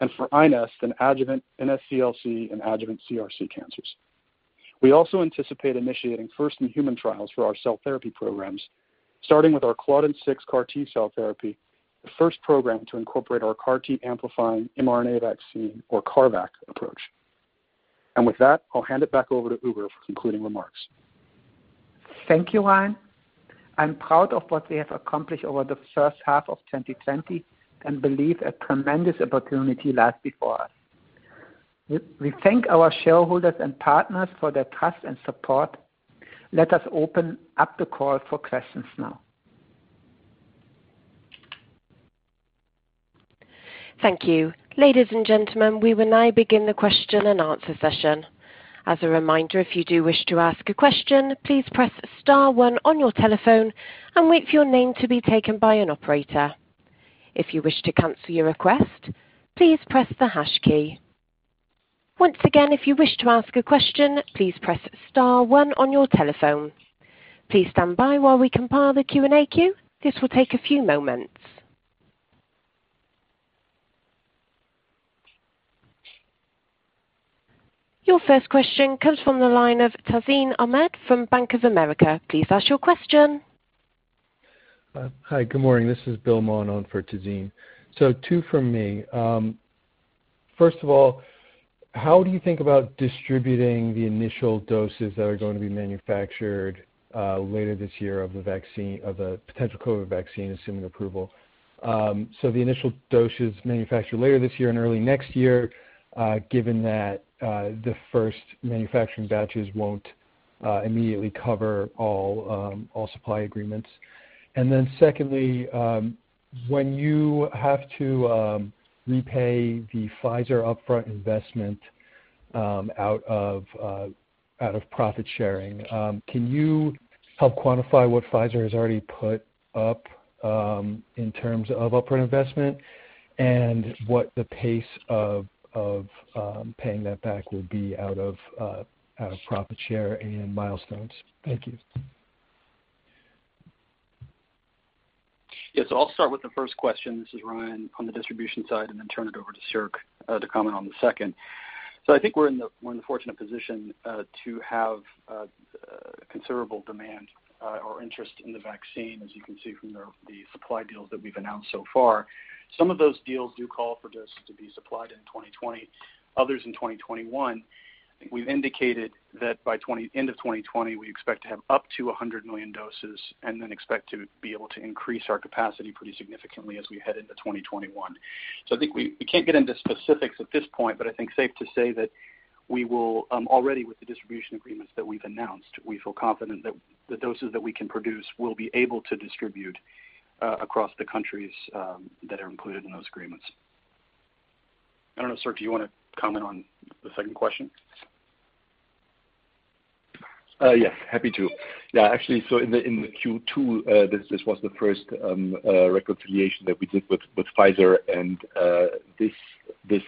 and for iNeST in adjuvant NSCLC and adjuvant CRC cancers. We also anticipate initiating first-in-human trials for our cell therapy programs, starting with our Claudin 6 CAR T-cell therapy, the first program to incorporate our CAR T-amplifying mRNA vaccine or CARVac approach. With that, I'll hand it back over to Ugur for concluding remarks. Thank you, Ryan. I'm proud of what we have accomplished over the first half of 2020 and believe a tremendous opportunity lies before us. We thank our shareholders and partners for their trust and support. Let us open up the call for questions now. Thank you. Ladies and gentlemen, we will now begin the question and answer session. As a reminder, if you do wish to ask a question, please press star one on your telephone and wait for your name to be taken by an operator. If you wish to cancel your request, please press the hash key. Once again, if you wish to ask a question, please press star one on your telephone. Please stand by while we compile the Q&A queue. This will take a few moments. Your first question comes from the line of Tazeen Ahmad from Bank of America. Please ask your question. Hi, good morning. This is Bill Monon for Tazeen. Two from me. First of all, how do you think about distributing the initial doses that are going to be manufactured later this year of the potential COVID vaccine, assuming approval? The initial doses manufactured later this year and early next year, given that the first manufacturing batches won't immediately cover all supply agreements. Secondly, when you have to repay the Pfizer upfront investment out of profit-sharing, can you help quantify what Pfizer has already put up in terms of upfront investment and what the pace of paying that back will be out of profit share and milestones? Thank you. Yes. I'll start with the first question, this is Ryan, on the distribution side, and then turn it over to Sierk to comment on the second. I think we're in the fortunate position to have considerable demand or interest in the vaccine, as you can see from the supply deals that we've announced so far. Some of those deals do call for this to be supplied in 2020, others in 2021. I think we've indicated that by end of 2020, we expect to have up to 100 million doses and then expect to be able to increase our capacity pretty significantly as we head into 2021. I think we can't get into specifics at this point, but I think safe to say that we will, already with the distribution agreements that we've announced, we feel confident that the doses that we can produce will be able to distribute across the countries that are included in those agreements. I don't know, Sierk, do you want to comment on the second question? Yes, happy to. Yeah, actually, in the Q2, this was the first reconciliation that we did with Pfizer, this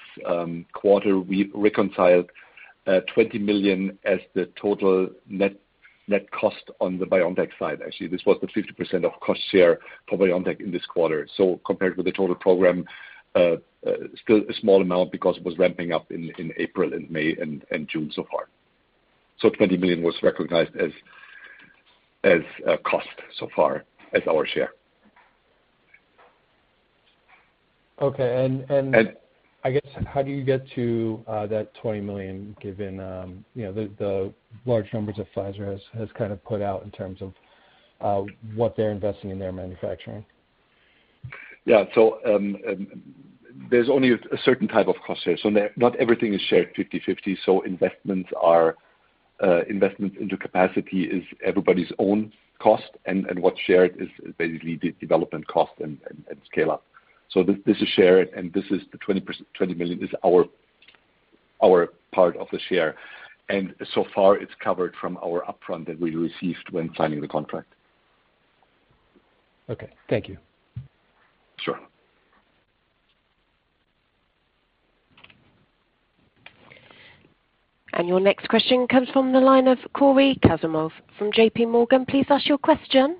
quarter we reconciled 20 million as the total net cost on the BioNTech side. Actually, this was the 50% of cost share for BioNTech in this quarter. Compared with the total program, still a small amount because it was ramping up in April and May and June so far. 20 million was recognized as a cost so far as our share. Okay. I guess, how do you get to that 20 million, given the large numbers that Pfizer has put out in terms of what they're investing in their manufacturing? Yeah. There's only a certain type of cost share. Not everything is shared 50/50. Investments into capacity is everybody's own cost, and what's shared is basically the development cost and scale up. This is shared, and this is the 20 million is our part of the share. So far it's covered from our upfront that we received when signing the contract. Okay. Thank you. Sure. Your next question comes from the line of Cory Kasimov from J.P. Morgan. Please ask your question.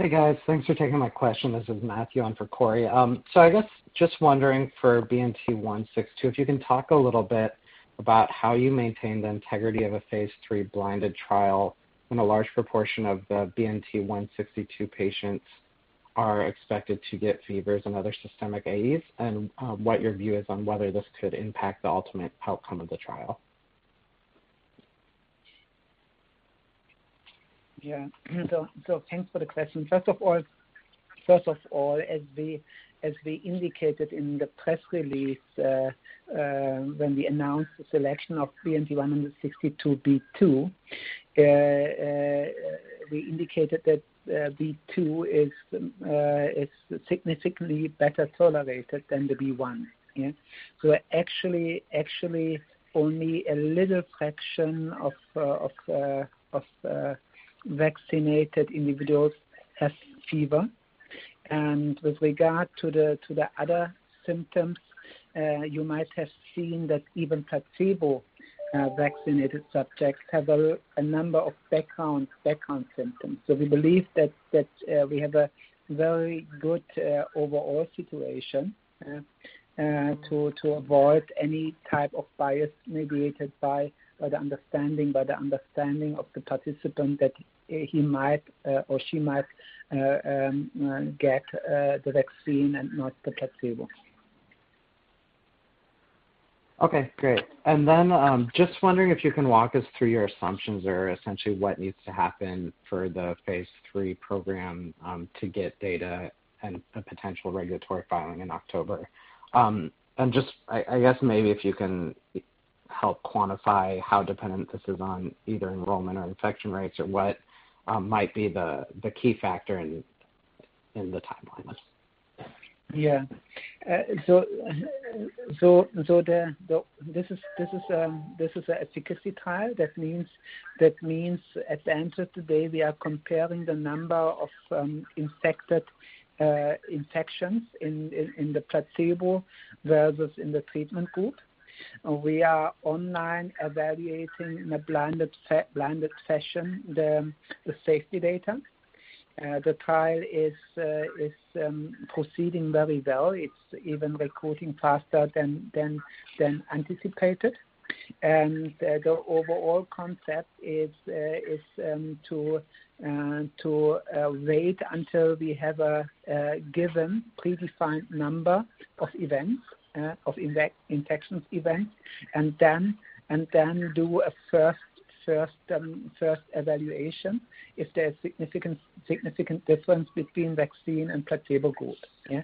Hey, guys. Thanks for taking my question. This is Matthew on for Cory. I guess just wondering for BNT162, if you can talk a little bit about how you maintain the integrity of a phase III blinded trial when a large proportion of the BNT162 patients are expected to get fevers and other systemic AEs, and what your view is on whether this could impact the ultimate outcome of the trial. Yeah. Thanks for the question. First of all, as we indicated in the press release when we announced the selection of BNT162b2, we indicated that b2 is significantly better tolerated than the b1. Yeah. Actually, only a little fraction of vaccinated individuals has fever. With regard to the other symptoms, you might have seen that even placebo vaccinated subjects have a number of background symptoms. We believe that we have a very good overall situation to avoid any type of bias mediated by the understanding of the participant that he might or she might get the vaccine and not the placebo. Okay, great. Just wondering if you can walk us through your assumptions or essentially what needs to happen for the phase III program, to get data and a potential regulatory filing in October. I guess maybe if you can help quantify how dependent this is on either enrollment or infection rates or what might be the key factor in the timelines. This is an efficacy trial. That means, at the end of today, we are comparing the number of infections in the placebo versus in the treatment group. We are online evaluating in a blinded session, the safety data. The trial is proceeding very well. It's even recruiting faster than anticipated. The overall concept is to wait until we have a given predefined number of infections event, and then do a first evaluation if there's significant difference between vaccine and placebo group. The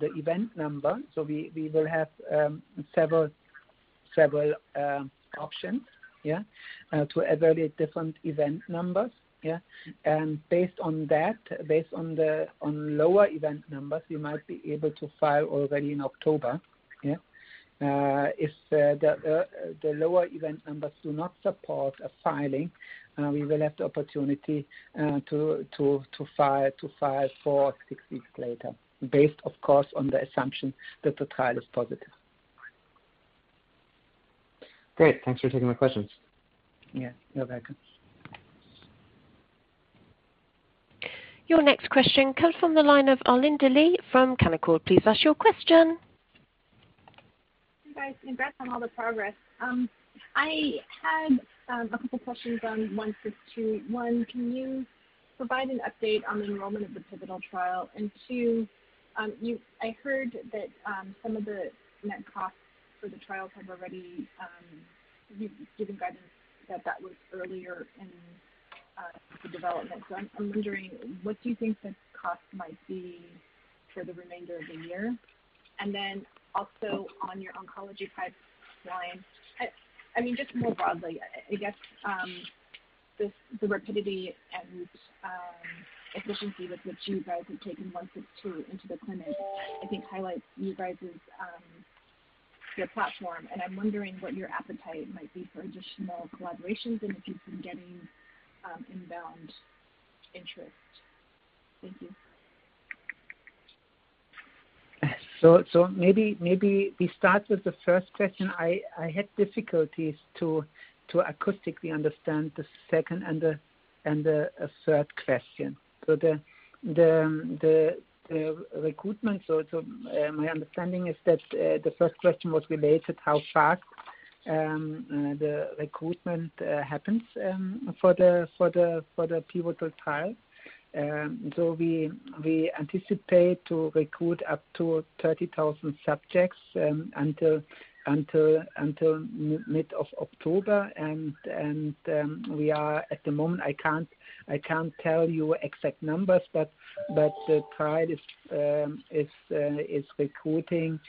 event number, we will have several options to evaluate different event numbers. Based on lower event numbers, we might be able to file already in October. If the lower event numbers do not support a filing, we will have the opportunity to file four or six weeks later, based of course on the assumption that the trial is positive. Great. Thanks for taking my questions. Yeah. You're welcome. Your next question comes from the line of Arlinda Lee from Canaccord. Please ask your question. Hey, guys. Congrats on all the progress. I had a couple questions on BNT162. One, can you provide an update on the enrollment of the pivotal trial? Two, I heard that some of the net costs for the trials have already, you've given guidance that that was earlier in the development. I'm wondering, what do you think the cost might be for the remainder of the year? Also on your oncology pipeline, just more broadly, I guess, the rapidity and efficiency with which you guys have taken BNT162 into the clinic, I think highlights your platform. I'm wondering what your appetite might be for additional collaborations and if you've been getting inbound interest. Thank you. Maybe we start with the first question. I had difficulties to acoustically understand the second and the third question. My understanding is that the first question was related how fast the recruitment happens for the pivotal trial. We anticipate to recruit up to 30,000 subjects until mid of October, and at the moment, I can't tell you exact numbers, but the trial is recruiting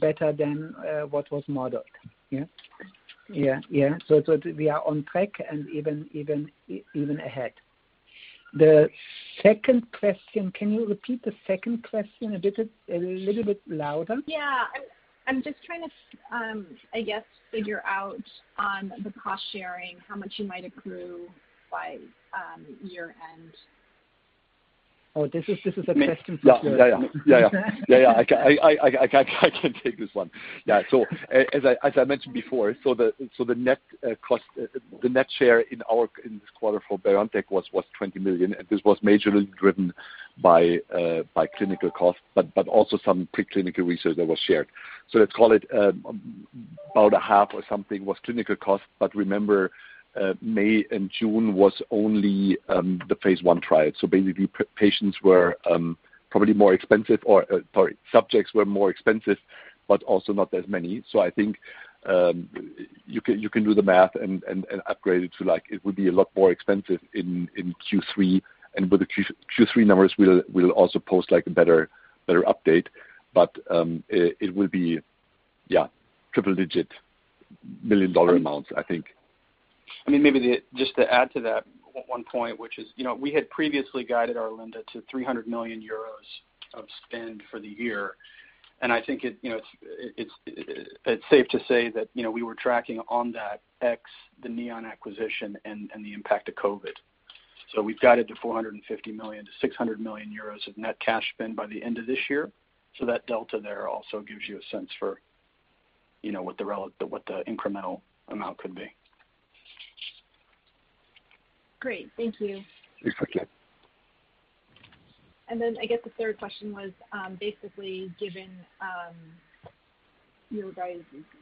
better than what was modeled. Yeah. We are on track and even ahead. The second question, can you repeat the second question a little bit louder? Yeah. I'm just trying to, I guess, figure out on the cost-sharing how much you might accrue by year-end. Oh, this is a question for Sierk. Yeah. I can take this one. Yeah. As I mentioned before, the net share in this quarter for BioNTech was 20 million, this was majorly driven by clinical costs, but also some pre-clinical research that was shared. Let's call it about a half or something was clinical costs. Remember, May and June was only the phase I trial. Basically, patients were probably more expensive, or sorry, subjects were more expensive, but also not as many. I think you can do the math and upgrade it to like, it would be a lot more expensive in Q3. With the Q3 numbers, we'll also post a better update. It will be, yeah, triple-digit billion dollar amounts, I think. I mean, maybe just to add to that one point, which is we had previously guided our lender to 300 million euros of spend for the year. I think it's safe to say that we were tracking on that ex, the Neon acquisition and the impact of COVID. We've guided to 450 million-600 million euros of net cash spend by the end of this year. That delta there also gives you a sense for what the incremental amount could be. Great. Thank you. It's okay. I guess the third question was basically given you guys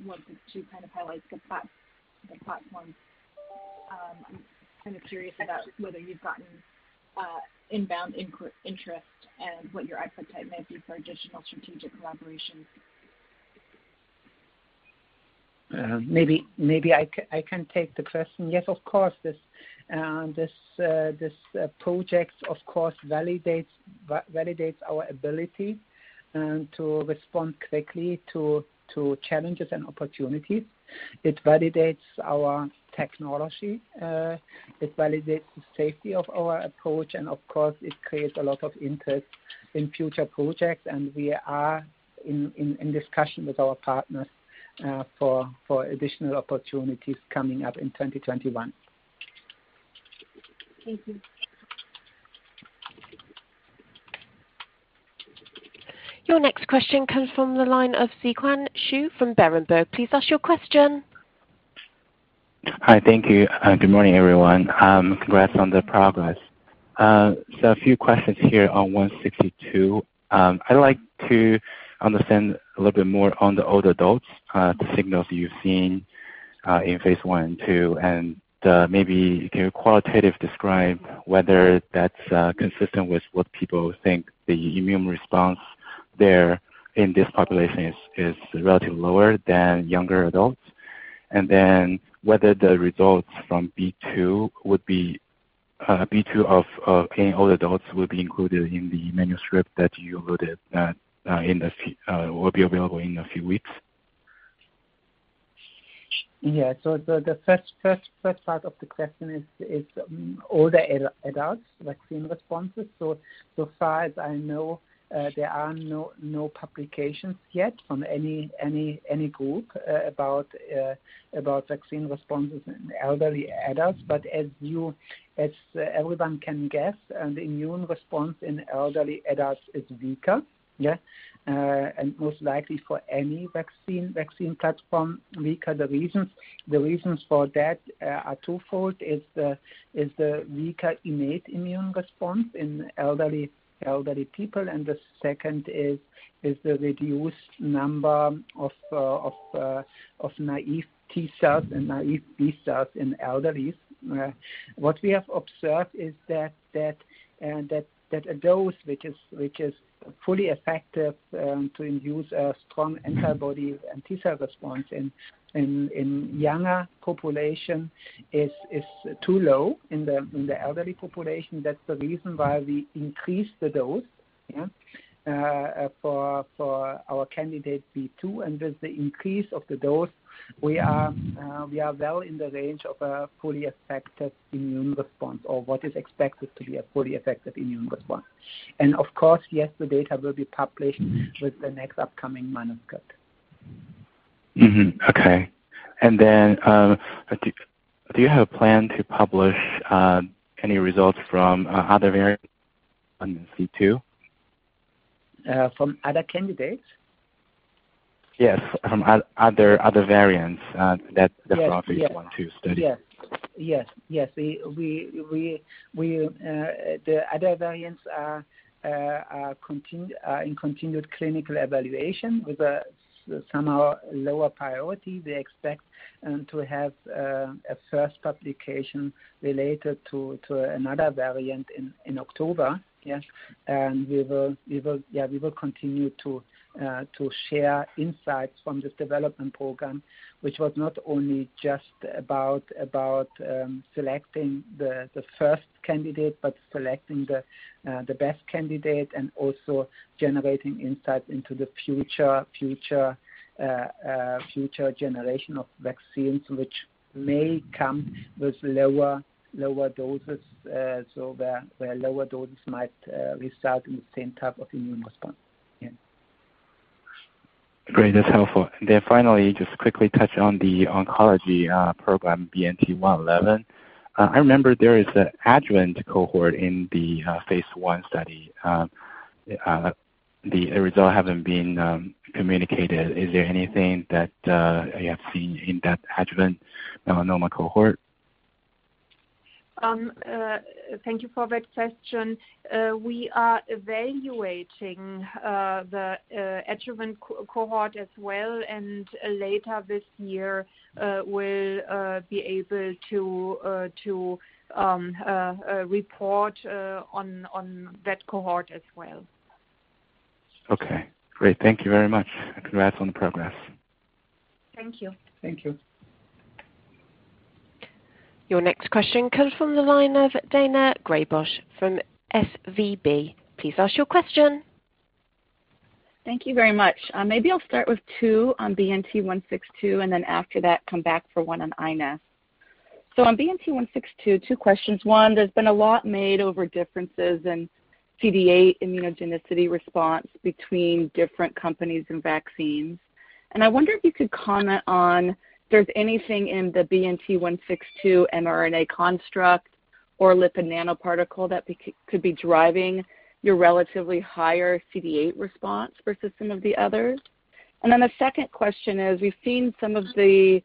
wanted to kind of highlight the platform. I'm kind of curious about whether you've gotten inbound interest and what your appetite might be for additional strategic collaborations. Maybe I can take the question. Yes, of course, this project, of course, validates our ability to respond quickly to challenges and opportunities. It validates our technology. It validates the safety of our approach. Of course, it creates a lot of interest in future projects. We are in discussion with our partners for additional opportunities coming up in 2021. Thank you. Your next question comes from the line of Shiquan Xu from Berenberg. Please ask your question. Hi. Thank you. Good morning, everyone. Congrats on the progress. A few questions here on BNT162. I'd like to understand a little bit more on the older adults, the signals you've seen in phase I and II, and maybe you can qualitatively describe whether that's consistent with what people think the immune response there in this population is relatively lower than younger adults. Whether the results from BNT162b2 obtained in older adults will be included in the manuscript that you loaded will be available in a few weeks. The first part of the question is older adults' vaccine responses. So far as I know, there are no publications yet from any group about vaccine responses in elderly adults. As everyone can guess, the immune response in elderly adults is weaker, and most likely for any vaccine platform, weaker. The reasons for that are twofold, is the weaker innate immune response in elderly people, and the second is the reduced number of naive T cells and naive B cells in elderly. What we have observed is that a dose which is fully effective to induce a strong antibody and T cell response in younger population is too low in the elderly population. That's the reason why we increased the dose for our candidate B2. With the increase of the dose, we are well in the range of a fully effective immune response or what is expected to be a fully effective immune response. Of course, yes, the data will be published with the next upcoming manuscript. Mm-hmm. Okay. Do you have a plan to publish any results from other variants on C2? From other candidates? Yes. From other variants that you want to study. Yes. The other variants are in continued clinical evaluation with somehow lower priority. We expect to have a first publication related to another variant in October. Yes. We will continue to share insights from this development program, which was not only just about selecting the first candidate, but selecting the best candidate and also generating insight into the future generation of vaccines, which may come with lower doses, so where lower doses might result in the same type of immune response. Yes. Great. That's helpful. Finally, just quickly touch on the oncology program, BNT111. I remember there is an adjuvant cohort in the phase I study. The result haven't been communicated. Is there anything that you have seen in that adjuvant melanoma cohort? Thank you for that question. We are evaluating the adjuvant cohort as well, and later this year, we'll be able to report on that cohort as well. Okay, great. Thank you very much. Congrats on the progress. Thank you. Thank you. Your next question comes from the line of Daina Graybosch from SVB. Please ask your question. Thank you very much. Maybe I'll start with two on BNT162, and then after that, come back for one on iNeST. On BNT162, two questions. One, there's been a lot made over differences in CD8 immunogenicity response between different companies and vaccines. I wonder if you could comment on if there's anything in the BNT162 mRNA construct or lipid nanoparticle that could be driving your relatively higher CD8 response versus some of the others. The second question is, we've seen some of the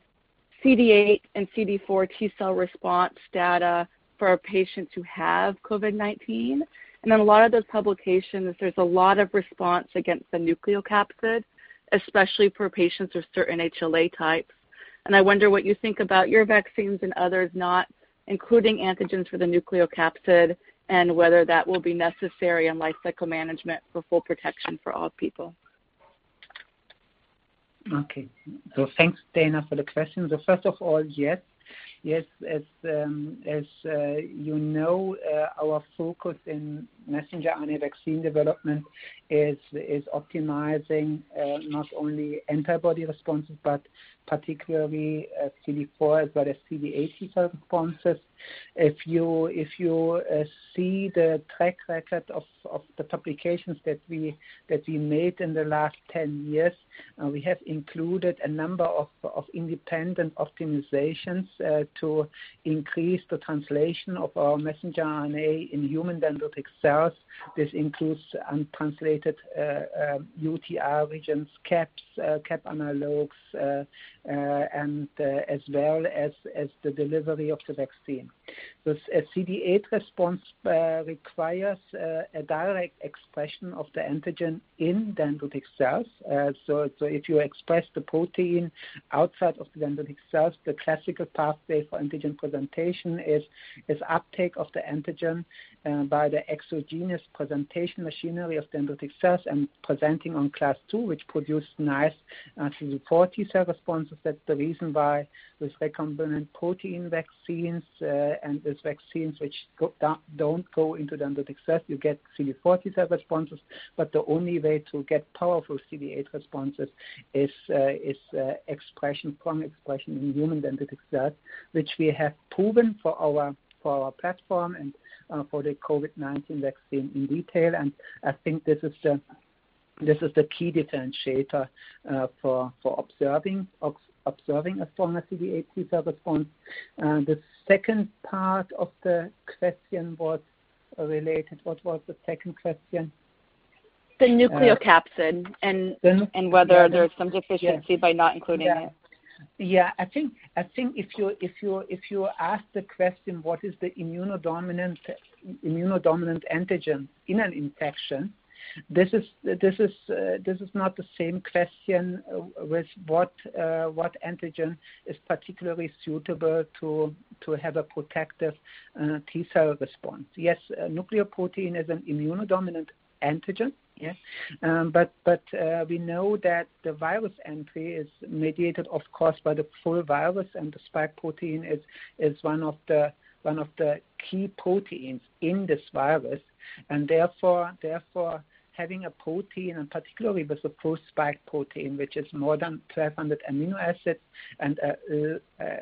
CD8 and CD4 T cell response data for patients who have COVID-19. In a lot of those publications, there's a lot of response against the nucleocapsid, especially for patients with certain HLA types. I wonder what you think about your vaccines and others not including antigens for the nucleocapsid, and whether that will be necessary in lifecycle management for full protection for all people. Okay. Thanks, Daina, for the question. First of all, yes. As you know, our focus in messenger RNA vaccine development is optimizing not only antibody responses, but particularly CD4 as well as CD8 T cell responses. If you see the track record of the publications that we made in the last 10 years, we have included a number of independent optimizations to increase the translation of our messenger RNA in human dendritic cells. This includes untranslated UTR regions, caps, cap analogs, and as well as the delivery of the vaccine. The CD8 response requires a direct expression of the antigen in dendritic cells. If you express the protein outside of the dendritic cells, the classical pathway for antigen presentation is uptake of the antigen by the exogenous presentation machinery of dendritic cells and presenting on class two, which produce nice CD4 T cell responses. That's the reason why with recombinant protein vaccines, and with vaccines which don't go into dendritic cells, you get CD4 T cell responses. The only way to get powerful CD8 responses is from expression in human dendritic cells, which we have proven for our platform and for the COVID-19 vaccine in detail. I think this is the key differentiator for observing a strong CD8 T cell response. The second part of the question was related. What was the second question? The nucleocapsid and whether there's some deficiency by not including it. Yeah. I think if you ask the question, what is the immunodominant antigen in an infection? This is not the same question with what antigen is particularly suitable to have a protective T cell response. Yes, nucleoprotein is an immunodominant antigen. Yes. We know that the virus entry is mediated, of course, by the full virus, and the spike protein is one of the key proteins in this virus. Therefore, having a protein, and particularly with the full spike protein, which is more than 1,200 amino acids, and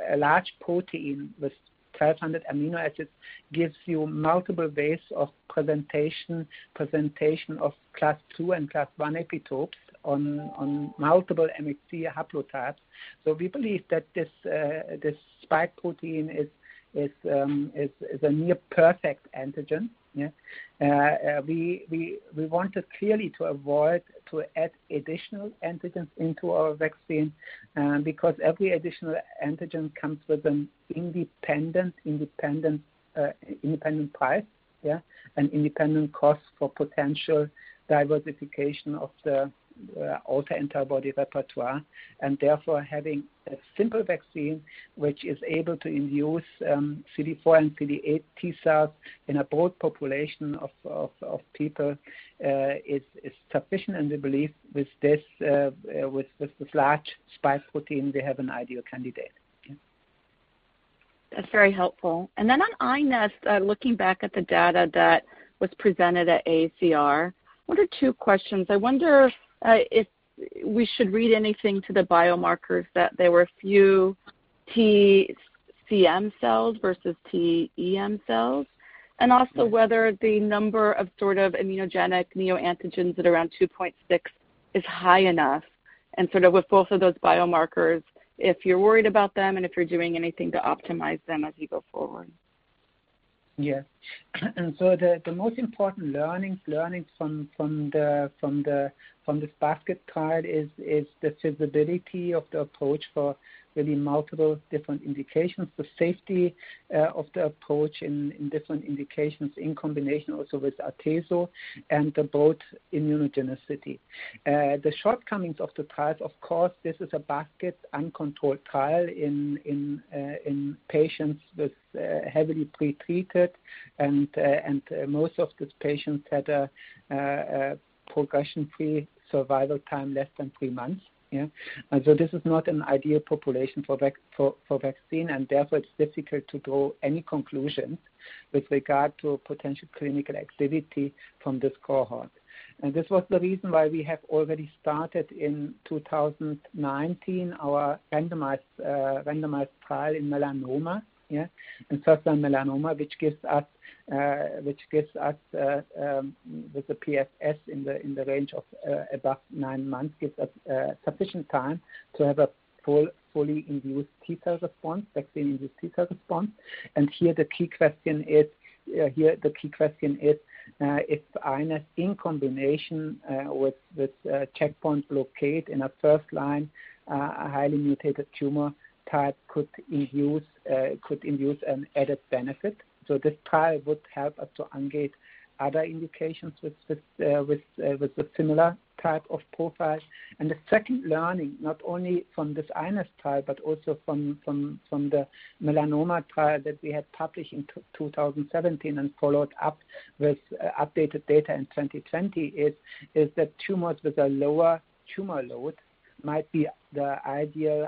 a large protein with 1,200 amino acids gives you multiple ways of presentation of class two and class one epitopes on multiple MHC haplotypes. We believe that this spike protein is a near perfect antigen. Yes. We wanted clearly to avoid to add additional antigens into our vaccine, because every additional antigen comes with an independent price, an independent cost for potential diversification of the autoantibody repertoire. Therefore, having a simple vaccine which is able to induce CD4 and CD8 T cells in a broad population of people is sufficient. We believe with this large spike protein, we have an ideal candidate. That's very helpful. On iNeST, looking back at the data that was presented at AACR, one or two questions. I wonder if we should read anything to the biomarkers that there were few TCM cells versus TEM cells, and also whether the number of immunogenic neoantigens at around 2.6 is high enough. With both of those biomarkers, if you're worried about them and if you're doing anything to optimize them as you go forward. The most important learnings from this basket trial is the feasibility of the approach for really multiple different indications, the safety of the approach in different indications in combination also with atezolizumab and about immunogenicity. The shortcomings of the trial, of course, this is a basket uncontrolled trial in patients with heavily pretreated and most of these patients had a progression-free survival time less than three months. This is not an ideal population for vaccine, and therefore it's difficult to draw any conclusions with regard to potential clinical activity from this cohort. This was the reason why we have already started in 2019 our randomized trial in melanoma. In certain melanoma, which gives us, with the PFS in the range of above nine months, gives us sufficient time to have a fully induced T cell response, vaccine-induced T cell response. Here the key question is if iNeST in combination with checkpoint blockade in a first-line, highly mutated tumor type could induce an added benefit. This trial would help us to engage other indications with a similar type of profile. The second learning, not only from this iNeST trial, but also from the melanoma trial that we had published in 2017 and followed up with updated data in 2020, is that tumors with a lower tumor load might be the ideal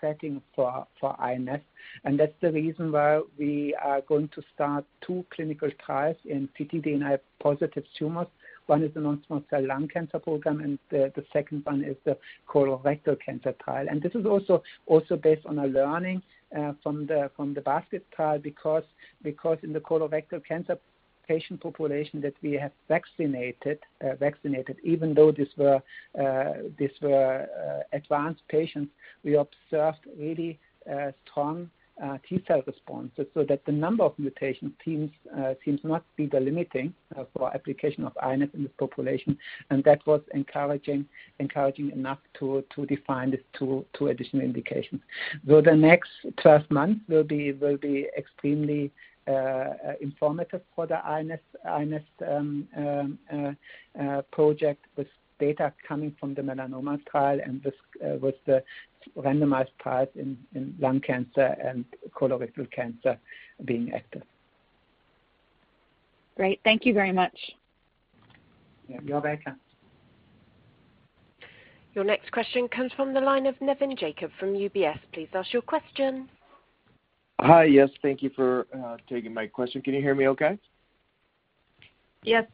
setting for iNeST. That's the reason why we are going to start two clinical trials in p53 ctDNA positive tumors. One is the non-small cell lung cancer program, and the second one is the colorectal cancer trial. This is also based on a learning from the basket trial because in the colorectal cancer patient population that we have vaccinated, even though these were advanced patients, we observed really strong T cell responses so that the number of mutation types seems not to be the limiting for application of iNeST in this population. That was encouraging enough to define these two additional indications. The next 12 months will be extremely informative for the iNeST project with data coming from the melanoma trial and with the randomized trial in lung cancer and colorectal cancer being active. Great. Thank you very much. You're welcome. Your next question comes from the line of Navin Jacob from UBS. Please ask your question. Hi. Yes, thank you for taking my question. Can you hear me okay? Yes.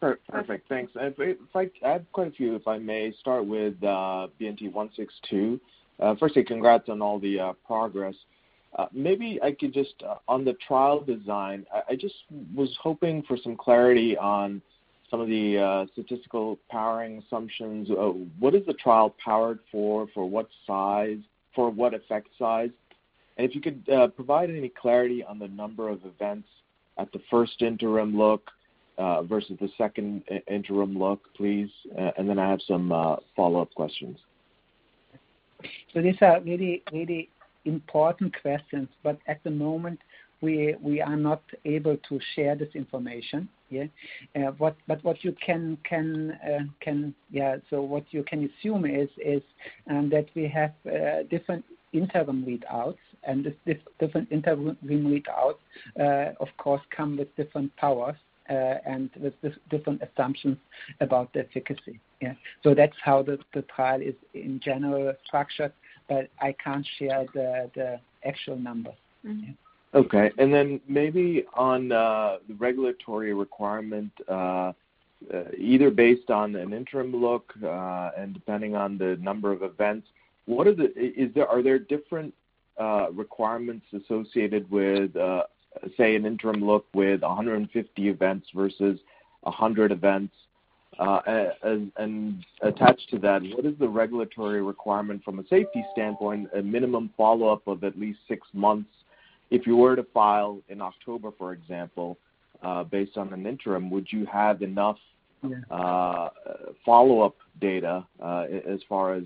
Perfect, thanks. I have quite a few, if I may start with BNT162. Firstly, congrats on all the progress. Maybe I could just, on the trial design, I just was hoping for some clarity on some of the statistical powering assumptions. What is the trial powered for? For what effect size? If you could provide any clarity on the number of events at the first interim look versus the second interim look, please. Then I have some follow-up questions. These are really important questions, but at the moment, we are not able to share this information. What you can assume is that we have different interim readouts, and these different interim readout, of course, come with different powers, and with different assumptions about the efficacy. That's how the trial is in general structured, but I can't share the actual numbers. Okay. Maybe on the regulatory requirement, either based on an interim look, and depending on the number of events, are there different requirements associated with, say, an interim look with 150 events versus 100 events? Attached to that, what is the regulatory requirement from a safety standpoint, a minimum follow-up of at least six months? If you were to file in October, for example, based on an interim, would you have enough? Yeah follow-up data, as far as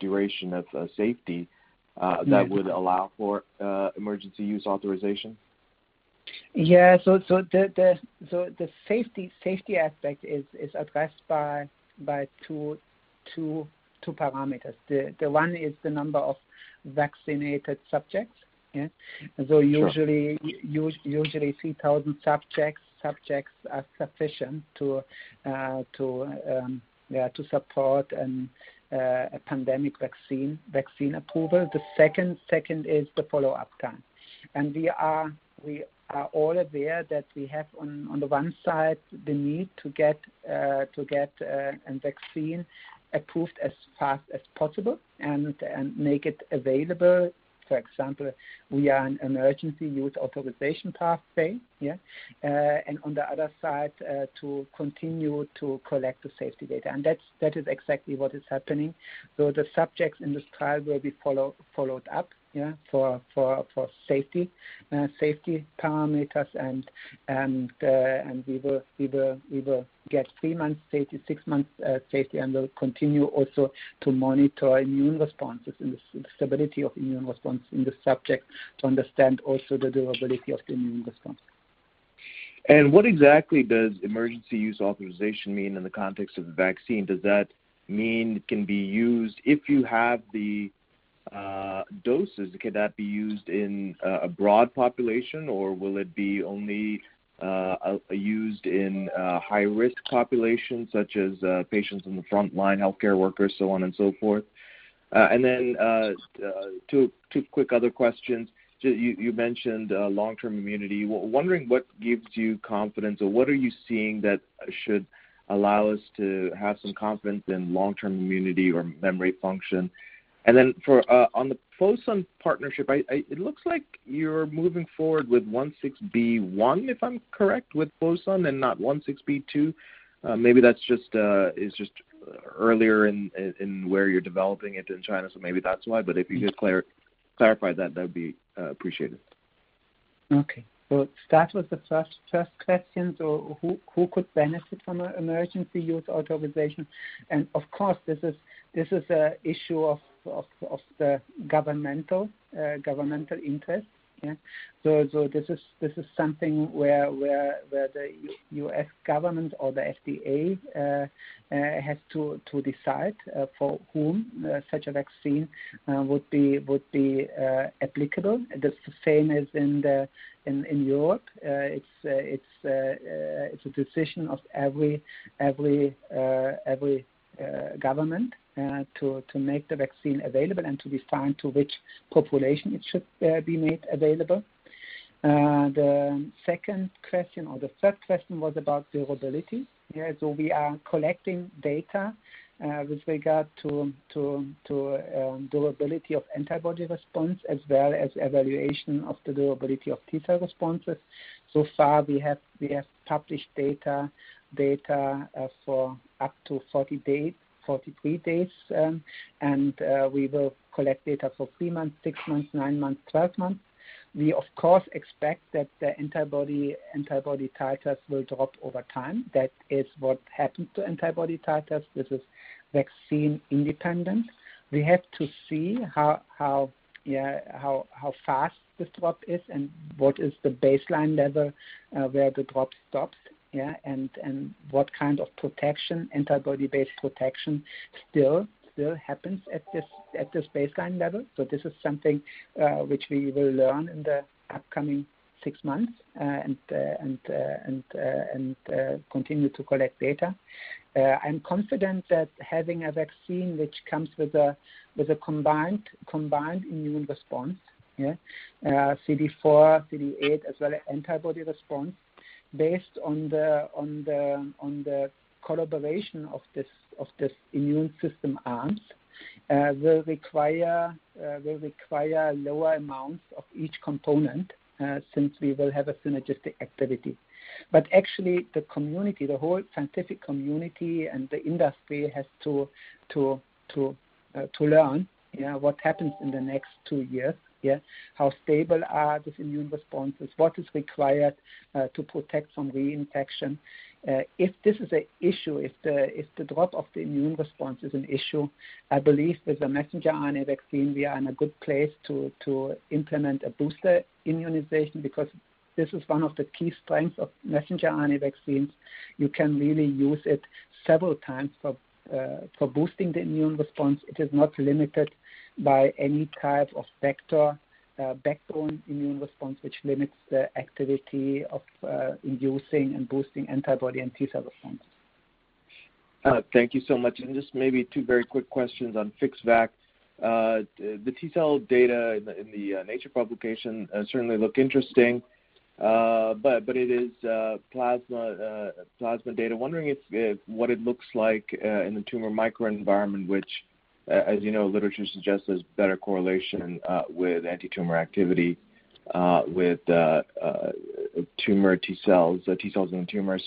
duration of safety. Yeah that would allow for emergency use authorization? The safety aspect is addressed by Two parameters. The one is the number of vaccinated subjects. Yeah? Sure. Usually 3,000 subjects are sufficient to support a pandemic vaccine approval. The second is the follow-up time. We are all aware that we have, on the one side, the need to get a vaccine approved as fast as possible and make it available. For example, we are an Emergency Use Authorization pathway. Yeah. On the other side, to continue to collect the safety data. That is exactly what is happening. The subjects in this trial will be followed up for safety parameters, and we will get three months safety, six months safety, and we'll continue also to monitor immune responses and the stability of immune response in the subject to understand also the durability of the immune response. What exactly does emergency use authorization mean in the context of the vaccine? Does that mean it can be used, if you have the doses, could that be used in a broad population, or will it be only used in high-risk populations such as patients on the front line, healthcare workers, so on and so forth? Two quick other questions. You mentioned long-term immunity. Wondering what gives you confidence, or what are you seeing that should allow us to have some confidence in long-term immunity or memory function? On the Fosun partnership, it looks like you're moving forward with 16B1, if I'm correct, with Fosun, and not 16B2. Maybe that's just earlier in where you're developing it in China, so maybe that's why. If you could clarify that would be appreciated. Okay. Start with the first question. Who could benefit from an emergency use authorization? Of course, this is an issue of the governmental interest. Yeah. This is something where the U.S. government or the FDA has to decide for whom such a vaccine would be applicable. That's the same as in Europe. It's a decision of every government to make the vaccine available and to define to which population it should be made available. The second question, or the third question was about durability. We are collecting data with regard to durability of antibody response as well as evaluation of the durability of T cell responses. So far we have published data for up to 43 days, and we will collect data for three months, six months, nine months, 12 months. We, of course, expect that the antibody titers will drop over time. That is what happens to antibody titers. This is vaccine independent. We have to see how fast the drop is and what is the baseline level, where the drop stops. Yeah. What kind of protection, antibody-based protection, still happens at this baseline level. This is something which we will learn in the upcoming six months, and continue to collect data. I'm confident that having a vaccine which comes with a combined immune response. Yeah. CD4, CD8, as well as antibody response, based on the collaboration of these immune system arms, will require lower amounts of each component, since we will have a synergistic activity. Actually, the community, the whole scientific community, and the industry has to learn what happens in the next two years. Yeah. How stable are these immune responses? What is required to protect from reinfection? If this is an issue, if the drop of the immune response is an issue, I believe with the messenger RNA vaccine, we are in a good place to implement a booster immunization because this is one of the key strengths of messenger RNA vaccines. You can really use it several times for boosting the immune response. It is not limited by any type of backbone immune response, which limits the activity of inducing and boosting antibody and T cell response. Thank you so much. Just maybe two very quick questions on FixVac. The T cell data in the Nature certainly look interesting. It is plasma data. Wondering what it looks like in the tumor microenvironment, which, as you know, literature suggests there's better correlation with anti-tumor activity with tumor T cells, the T cells in the tumor.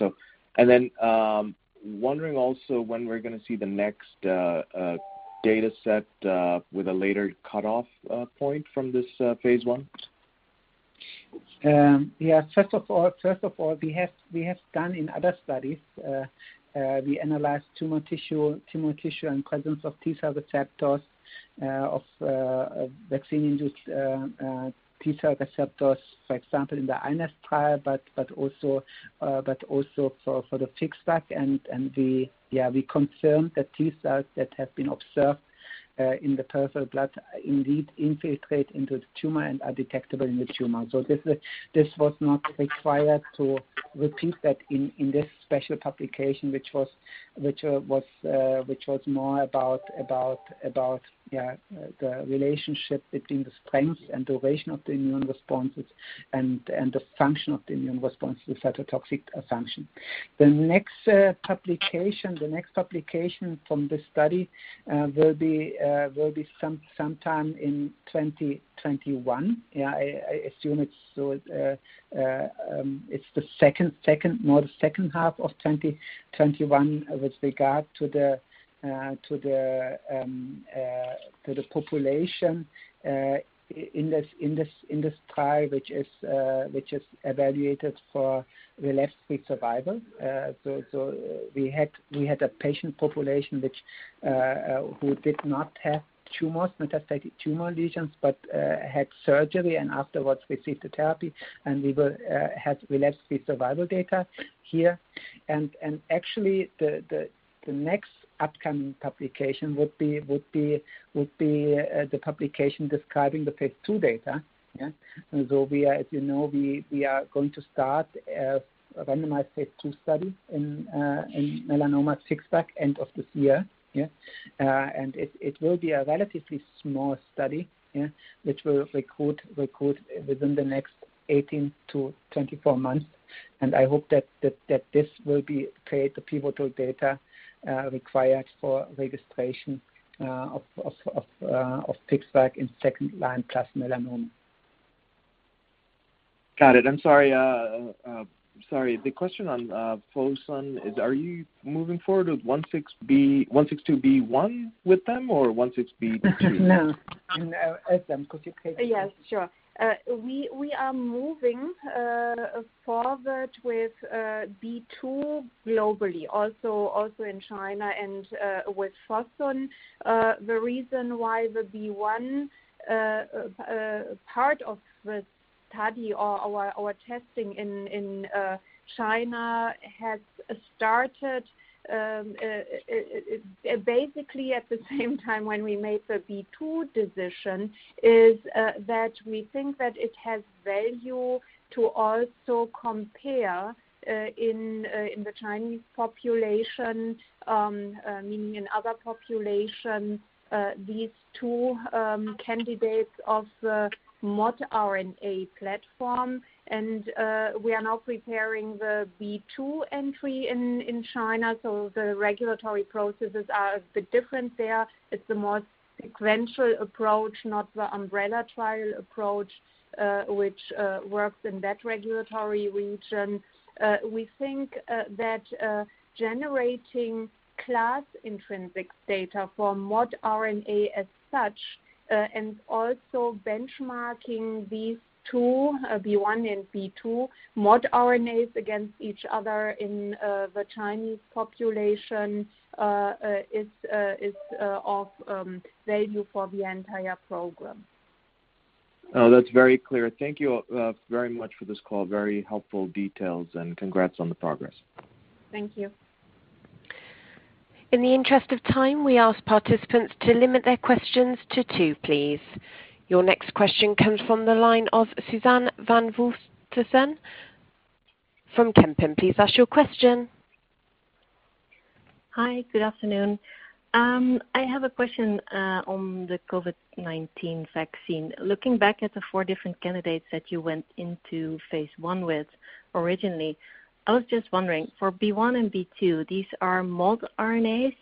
Wondering also when we're going to see the next data set with a later cutoff point from this phase I? Yeah. First of all, we have done in other studies, we analyzed tumor tissue and presence of T-cell receptors of vaccine-induced T-cell receptors, for example, in the iNeST trial, but also for the FixVac. We confirm the T-cells that have been observed in the peripheral blood indeed infiltrate into the tumor and are detectable in the tumor. This was not required to repeat that in this special publication, which was more about the relationship between the strength and duration of the immune responses and the function of the immune response, the cytotoxic assumption. The next publication from this study will be sometime in 2021. I assume it's more the second half of 2021 with regard to the population in this trial, which is evaluated for relapse-free survival. We had a patient population who did not have metastatic tumor lesions, but had surgery and afterwards received the therapy. We had relapse-free survival data here. Actually, the next upcoming publication would be the publication describing the phase II data. As you know, we are going to start a randomized phase II study in melanoma FixVac end of this year. It will be a relatively small study which will recruit within the next 18-24 months. I hope that this will create the pivotal data required for registration of FixVac in second-line plus melanoma. Got it. I'm sorry. The question on Fosun is, are you moving forward with BNT162b1 with them or BNT162b2? No. Özlem, could you please? Yes, sure. We are moving forward with B2 globally, also in China and with Fosun. The reason why the B1 part of the study or our testing in China has started basically at the same time when we made the B2 decision, is that we think that it has value to also compare in the Chinese population, meaning in other population, these two candidates of the modRNA platform. We are now preparing the B2 entry in China. The regulatory processes are a bit different there. It's the more sequential approach, not the umbrella trial approach, which works in that regulatory region. We think that generating class intrinsic data for modRNA as such, and also benchmarking these two, B1 and B2 modRNAs against each other in the Chinese population is of value for the entire program. Oh, that's very clear. Thank you very much for this call. Very helpful details and congrats on the progress. Thank you. In the interest of time, we ask participants to limit their questions to two, please. Your next question comes from the line of Suzanne van Voorthuizen from Kempen. Please ask your question. Hi. Good afternoon. I have a question on the COVID-19 vaccine. Looking back at the four different candidates that you went into phase I with originally, I was just wondering, for B1 and B2, these are modRNAs.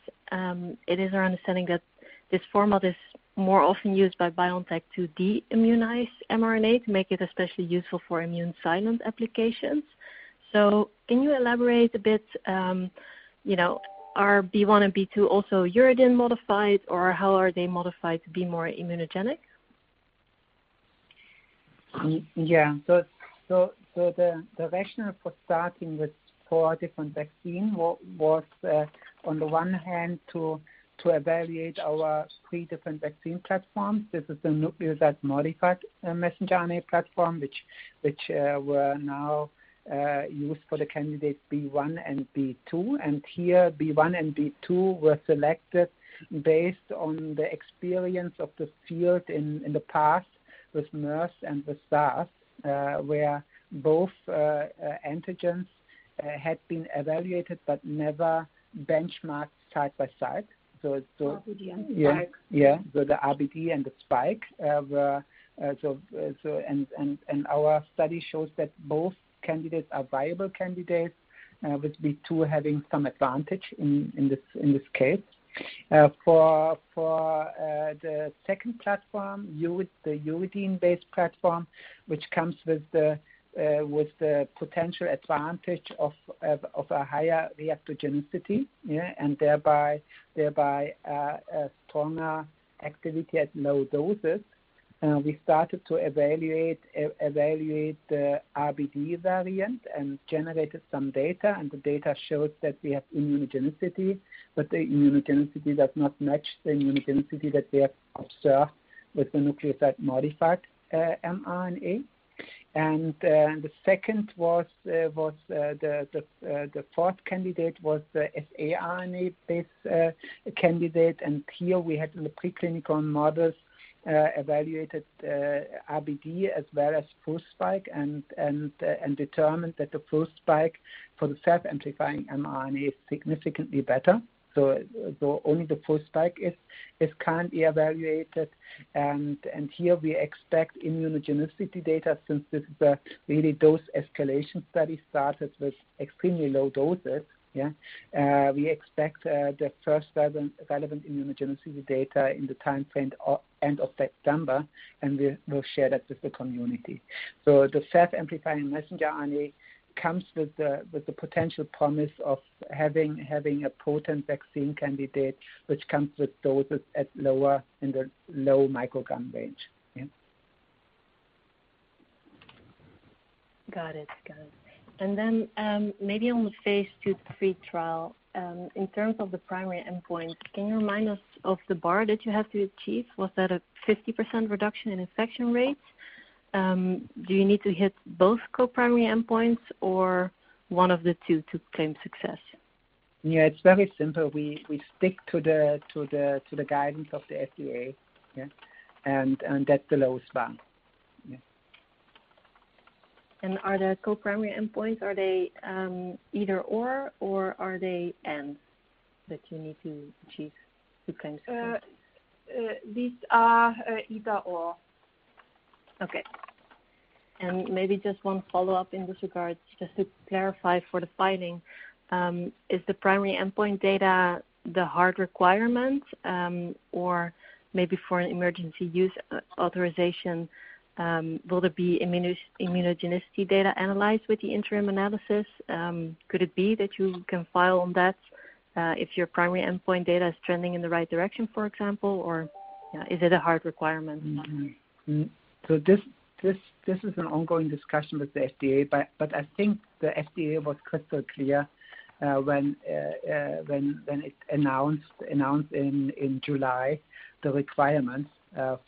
It is our understanding that this format is more often used by BioNTech to de-immunize mRNA to make it especially useful for immune-silent applications. Can you elaborate a bit, are B1 and B2 also uridine modified, or how are they modified to be more immunogenic? The rationale for starting with four different vaccines was on the one hand, to evaluate our three different vaccine platforms. This is the nucleoside-modified messenger RNA platform, which were now used for the candidate B1 and B2, and here B1 and B2 were selected based on the experience of the field in the past with MERS and with SARS, where both antigens had been evaluated but never benchmarked side by side. RBD and spike. Our study shows that both candidates are viable candidates, with B2 having some advantage in this case. For the second platform, the uridine-based platform, which comes with the potential advantage of a higher reactogenicity and thereby a stronger activity at low doses. We started to evaluate the RBD variant and generated some data, and the data shows that we have immunogenicity, but the immunogenicity does not match the immunogenicity that we have observed with the nucleoside-modified mRNA. The fourth candidate was the saRNA-based candidate. Here we had, in the preclinical models, evaluated RBD as well as full spike and determined that the full spike for the self-amplifying mRNA is significantly better. Only the full spike is currently evaluated. Here we expect immunogenicity data since this is a really dose escalation study, started with extremely low doses. We expect the first relevant immunogenicity data in the timeframe end of September, and we'll share that with the community. The self-amplifying messenger RNA comes with the potential promise of having a potent vaccine candidate, which comes with doses at lower in the low microgram range. Yeah. Got it. Maybe on the phase II/III trial, in terms of the primary endpoint, can you remind us of the bar that you have to achieve? Was that a 50% reduction in infection rate? Do you need to hit both co-primary endpoints or one of the two to claim success? Yeah, it's very simple. We stick to the guidance of the FDA, yeah. That's the lowest bar. Yeah. Are the co-primary endpoints, are they either/or are they and, that you need to achieve to claim success? These are either/or. Okay. Maybe just one follow-up in this regard, just to clarify for the filing. Is the primary endpoint data the hard requirement? Maybe for an emergency use authorization, will there be immunogenicity data analyzed with the interim analysis? Could it be that you can file on that if your primary endpoint data is trending in the right direction, for example? Is it a hard requirement? This is an ongoing discussion with the FDA, but I think the FDA was crystal clear when it announced in July the requirements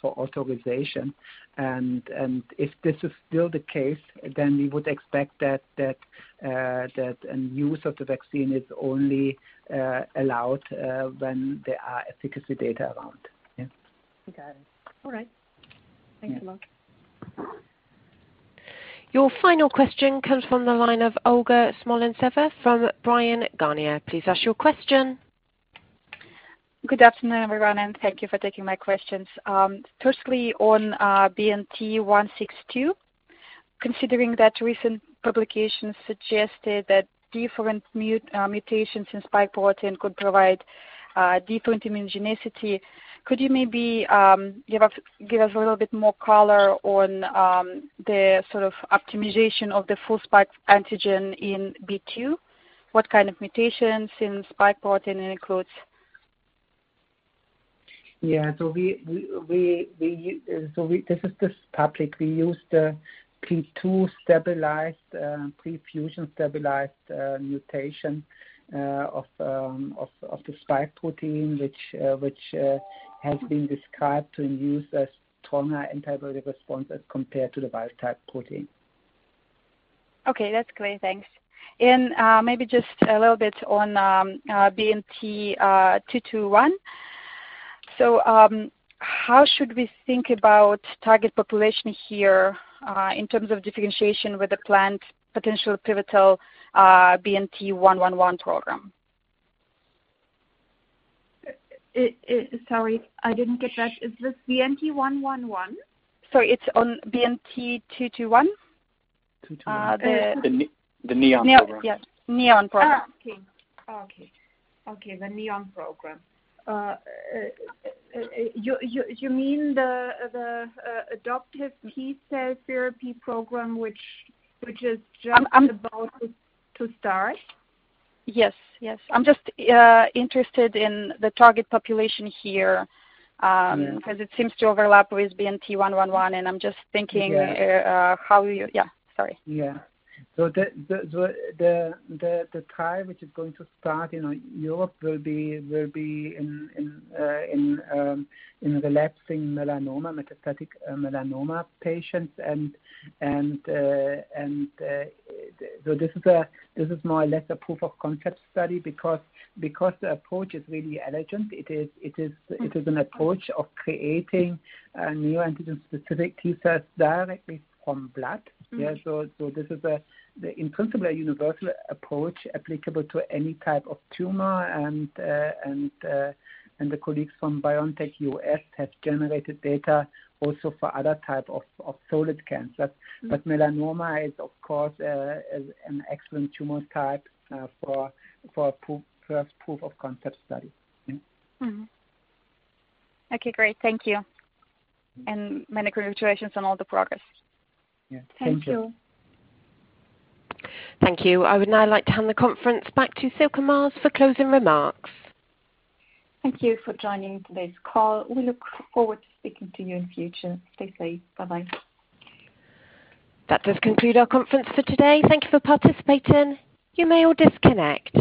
for authorization. If this is still the case, then we would expect that a use of the vaccine is only allowed when there are efficacy data around. Got it. All right. Thanks a lot. Your final question comes from the line of Olga Smolentseva from Bryan, Garnier. Please ask your question. Good afternoon, everyone, and thank you for taking my questions. Firstly, on BNT162, considering that recent publications suggested that different mutations in spike protein could provide different immunogenicity, could you maybe give us a little bit more color on the sort of optimization of the full spike antigen in B2? What kind of mutations in spike protein it includes? Yeah. This is the topic. We use the P2 stabilized, pre-fusion stabilized mutation of the spike protein, which has been described to induce a stronger antibody response as compared to the wild-type protein. Okay, that's great. Thanks. Maybe just a little bit on BNT221. How should we think about target population here in terms of differentiation with the planned potential pivotal BNT111 program? Sorry, I didn't get that. Is this BNT111? Sorry, it's on BNT221. 221. The Neon program. Yes. Neon program. Oh, okay. The Neon program. You mean the adoptive T-cell therapy program, which is just about to start? Yes. I'm just interested in the target population here, because it seems to overlap with BNT111. Yes Yeah. Sorry. Yeah. The trial which is going to start in Europe will be in relapsing melanoma, metastatic melanoma patients. This is more or less a proof of concept study because the approach is really elegant. It is an approach of creating a neoantigen-specific T cell directly from blood. Yeah. This is, in principle, a universal approach applicable to any type of tumor. The colleagues from BioNTech US have generated data also for other type of solid cancers. Melanoma is, of course, an excellent tumor type for a first proof of concept study. Yeah. Okay, great. Thank you. Many congratulations on all the progress. Thank you. Thank you. Thank you. I would now like to hand the conference back to Sylke Maas for closing remarks. Thank you for joining today's call. We look forward to speaking to you in future. Stay safe. Bye-bye. That does conclude our conference for today. Thank you for participating. You may all disconnect.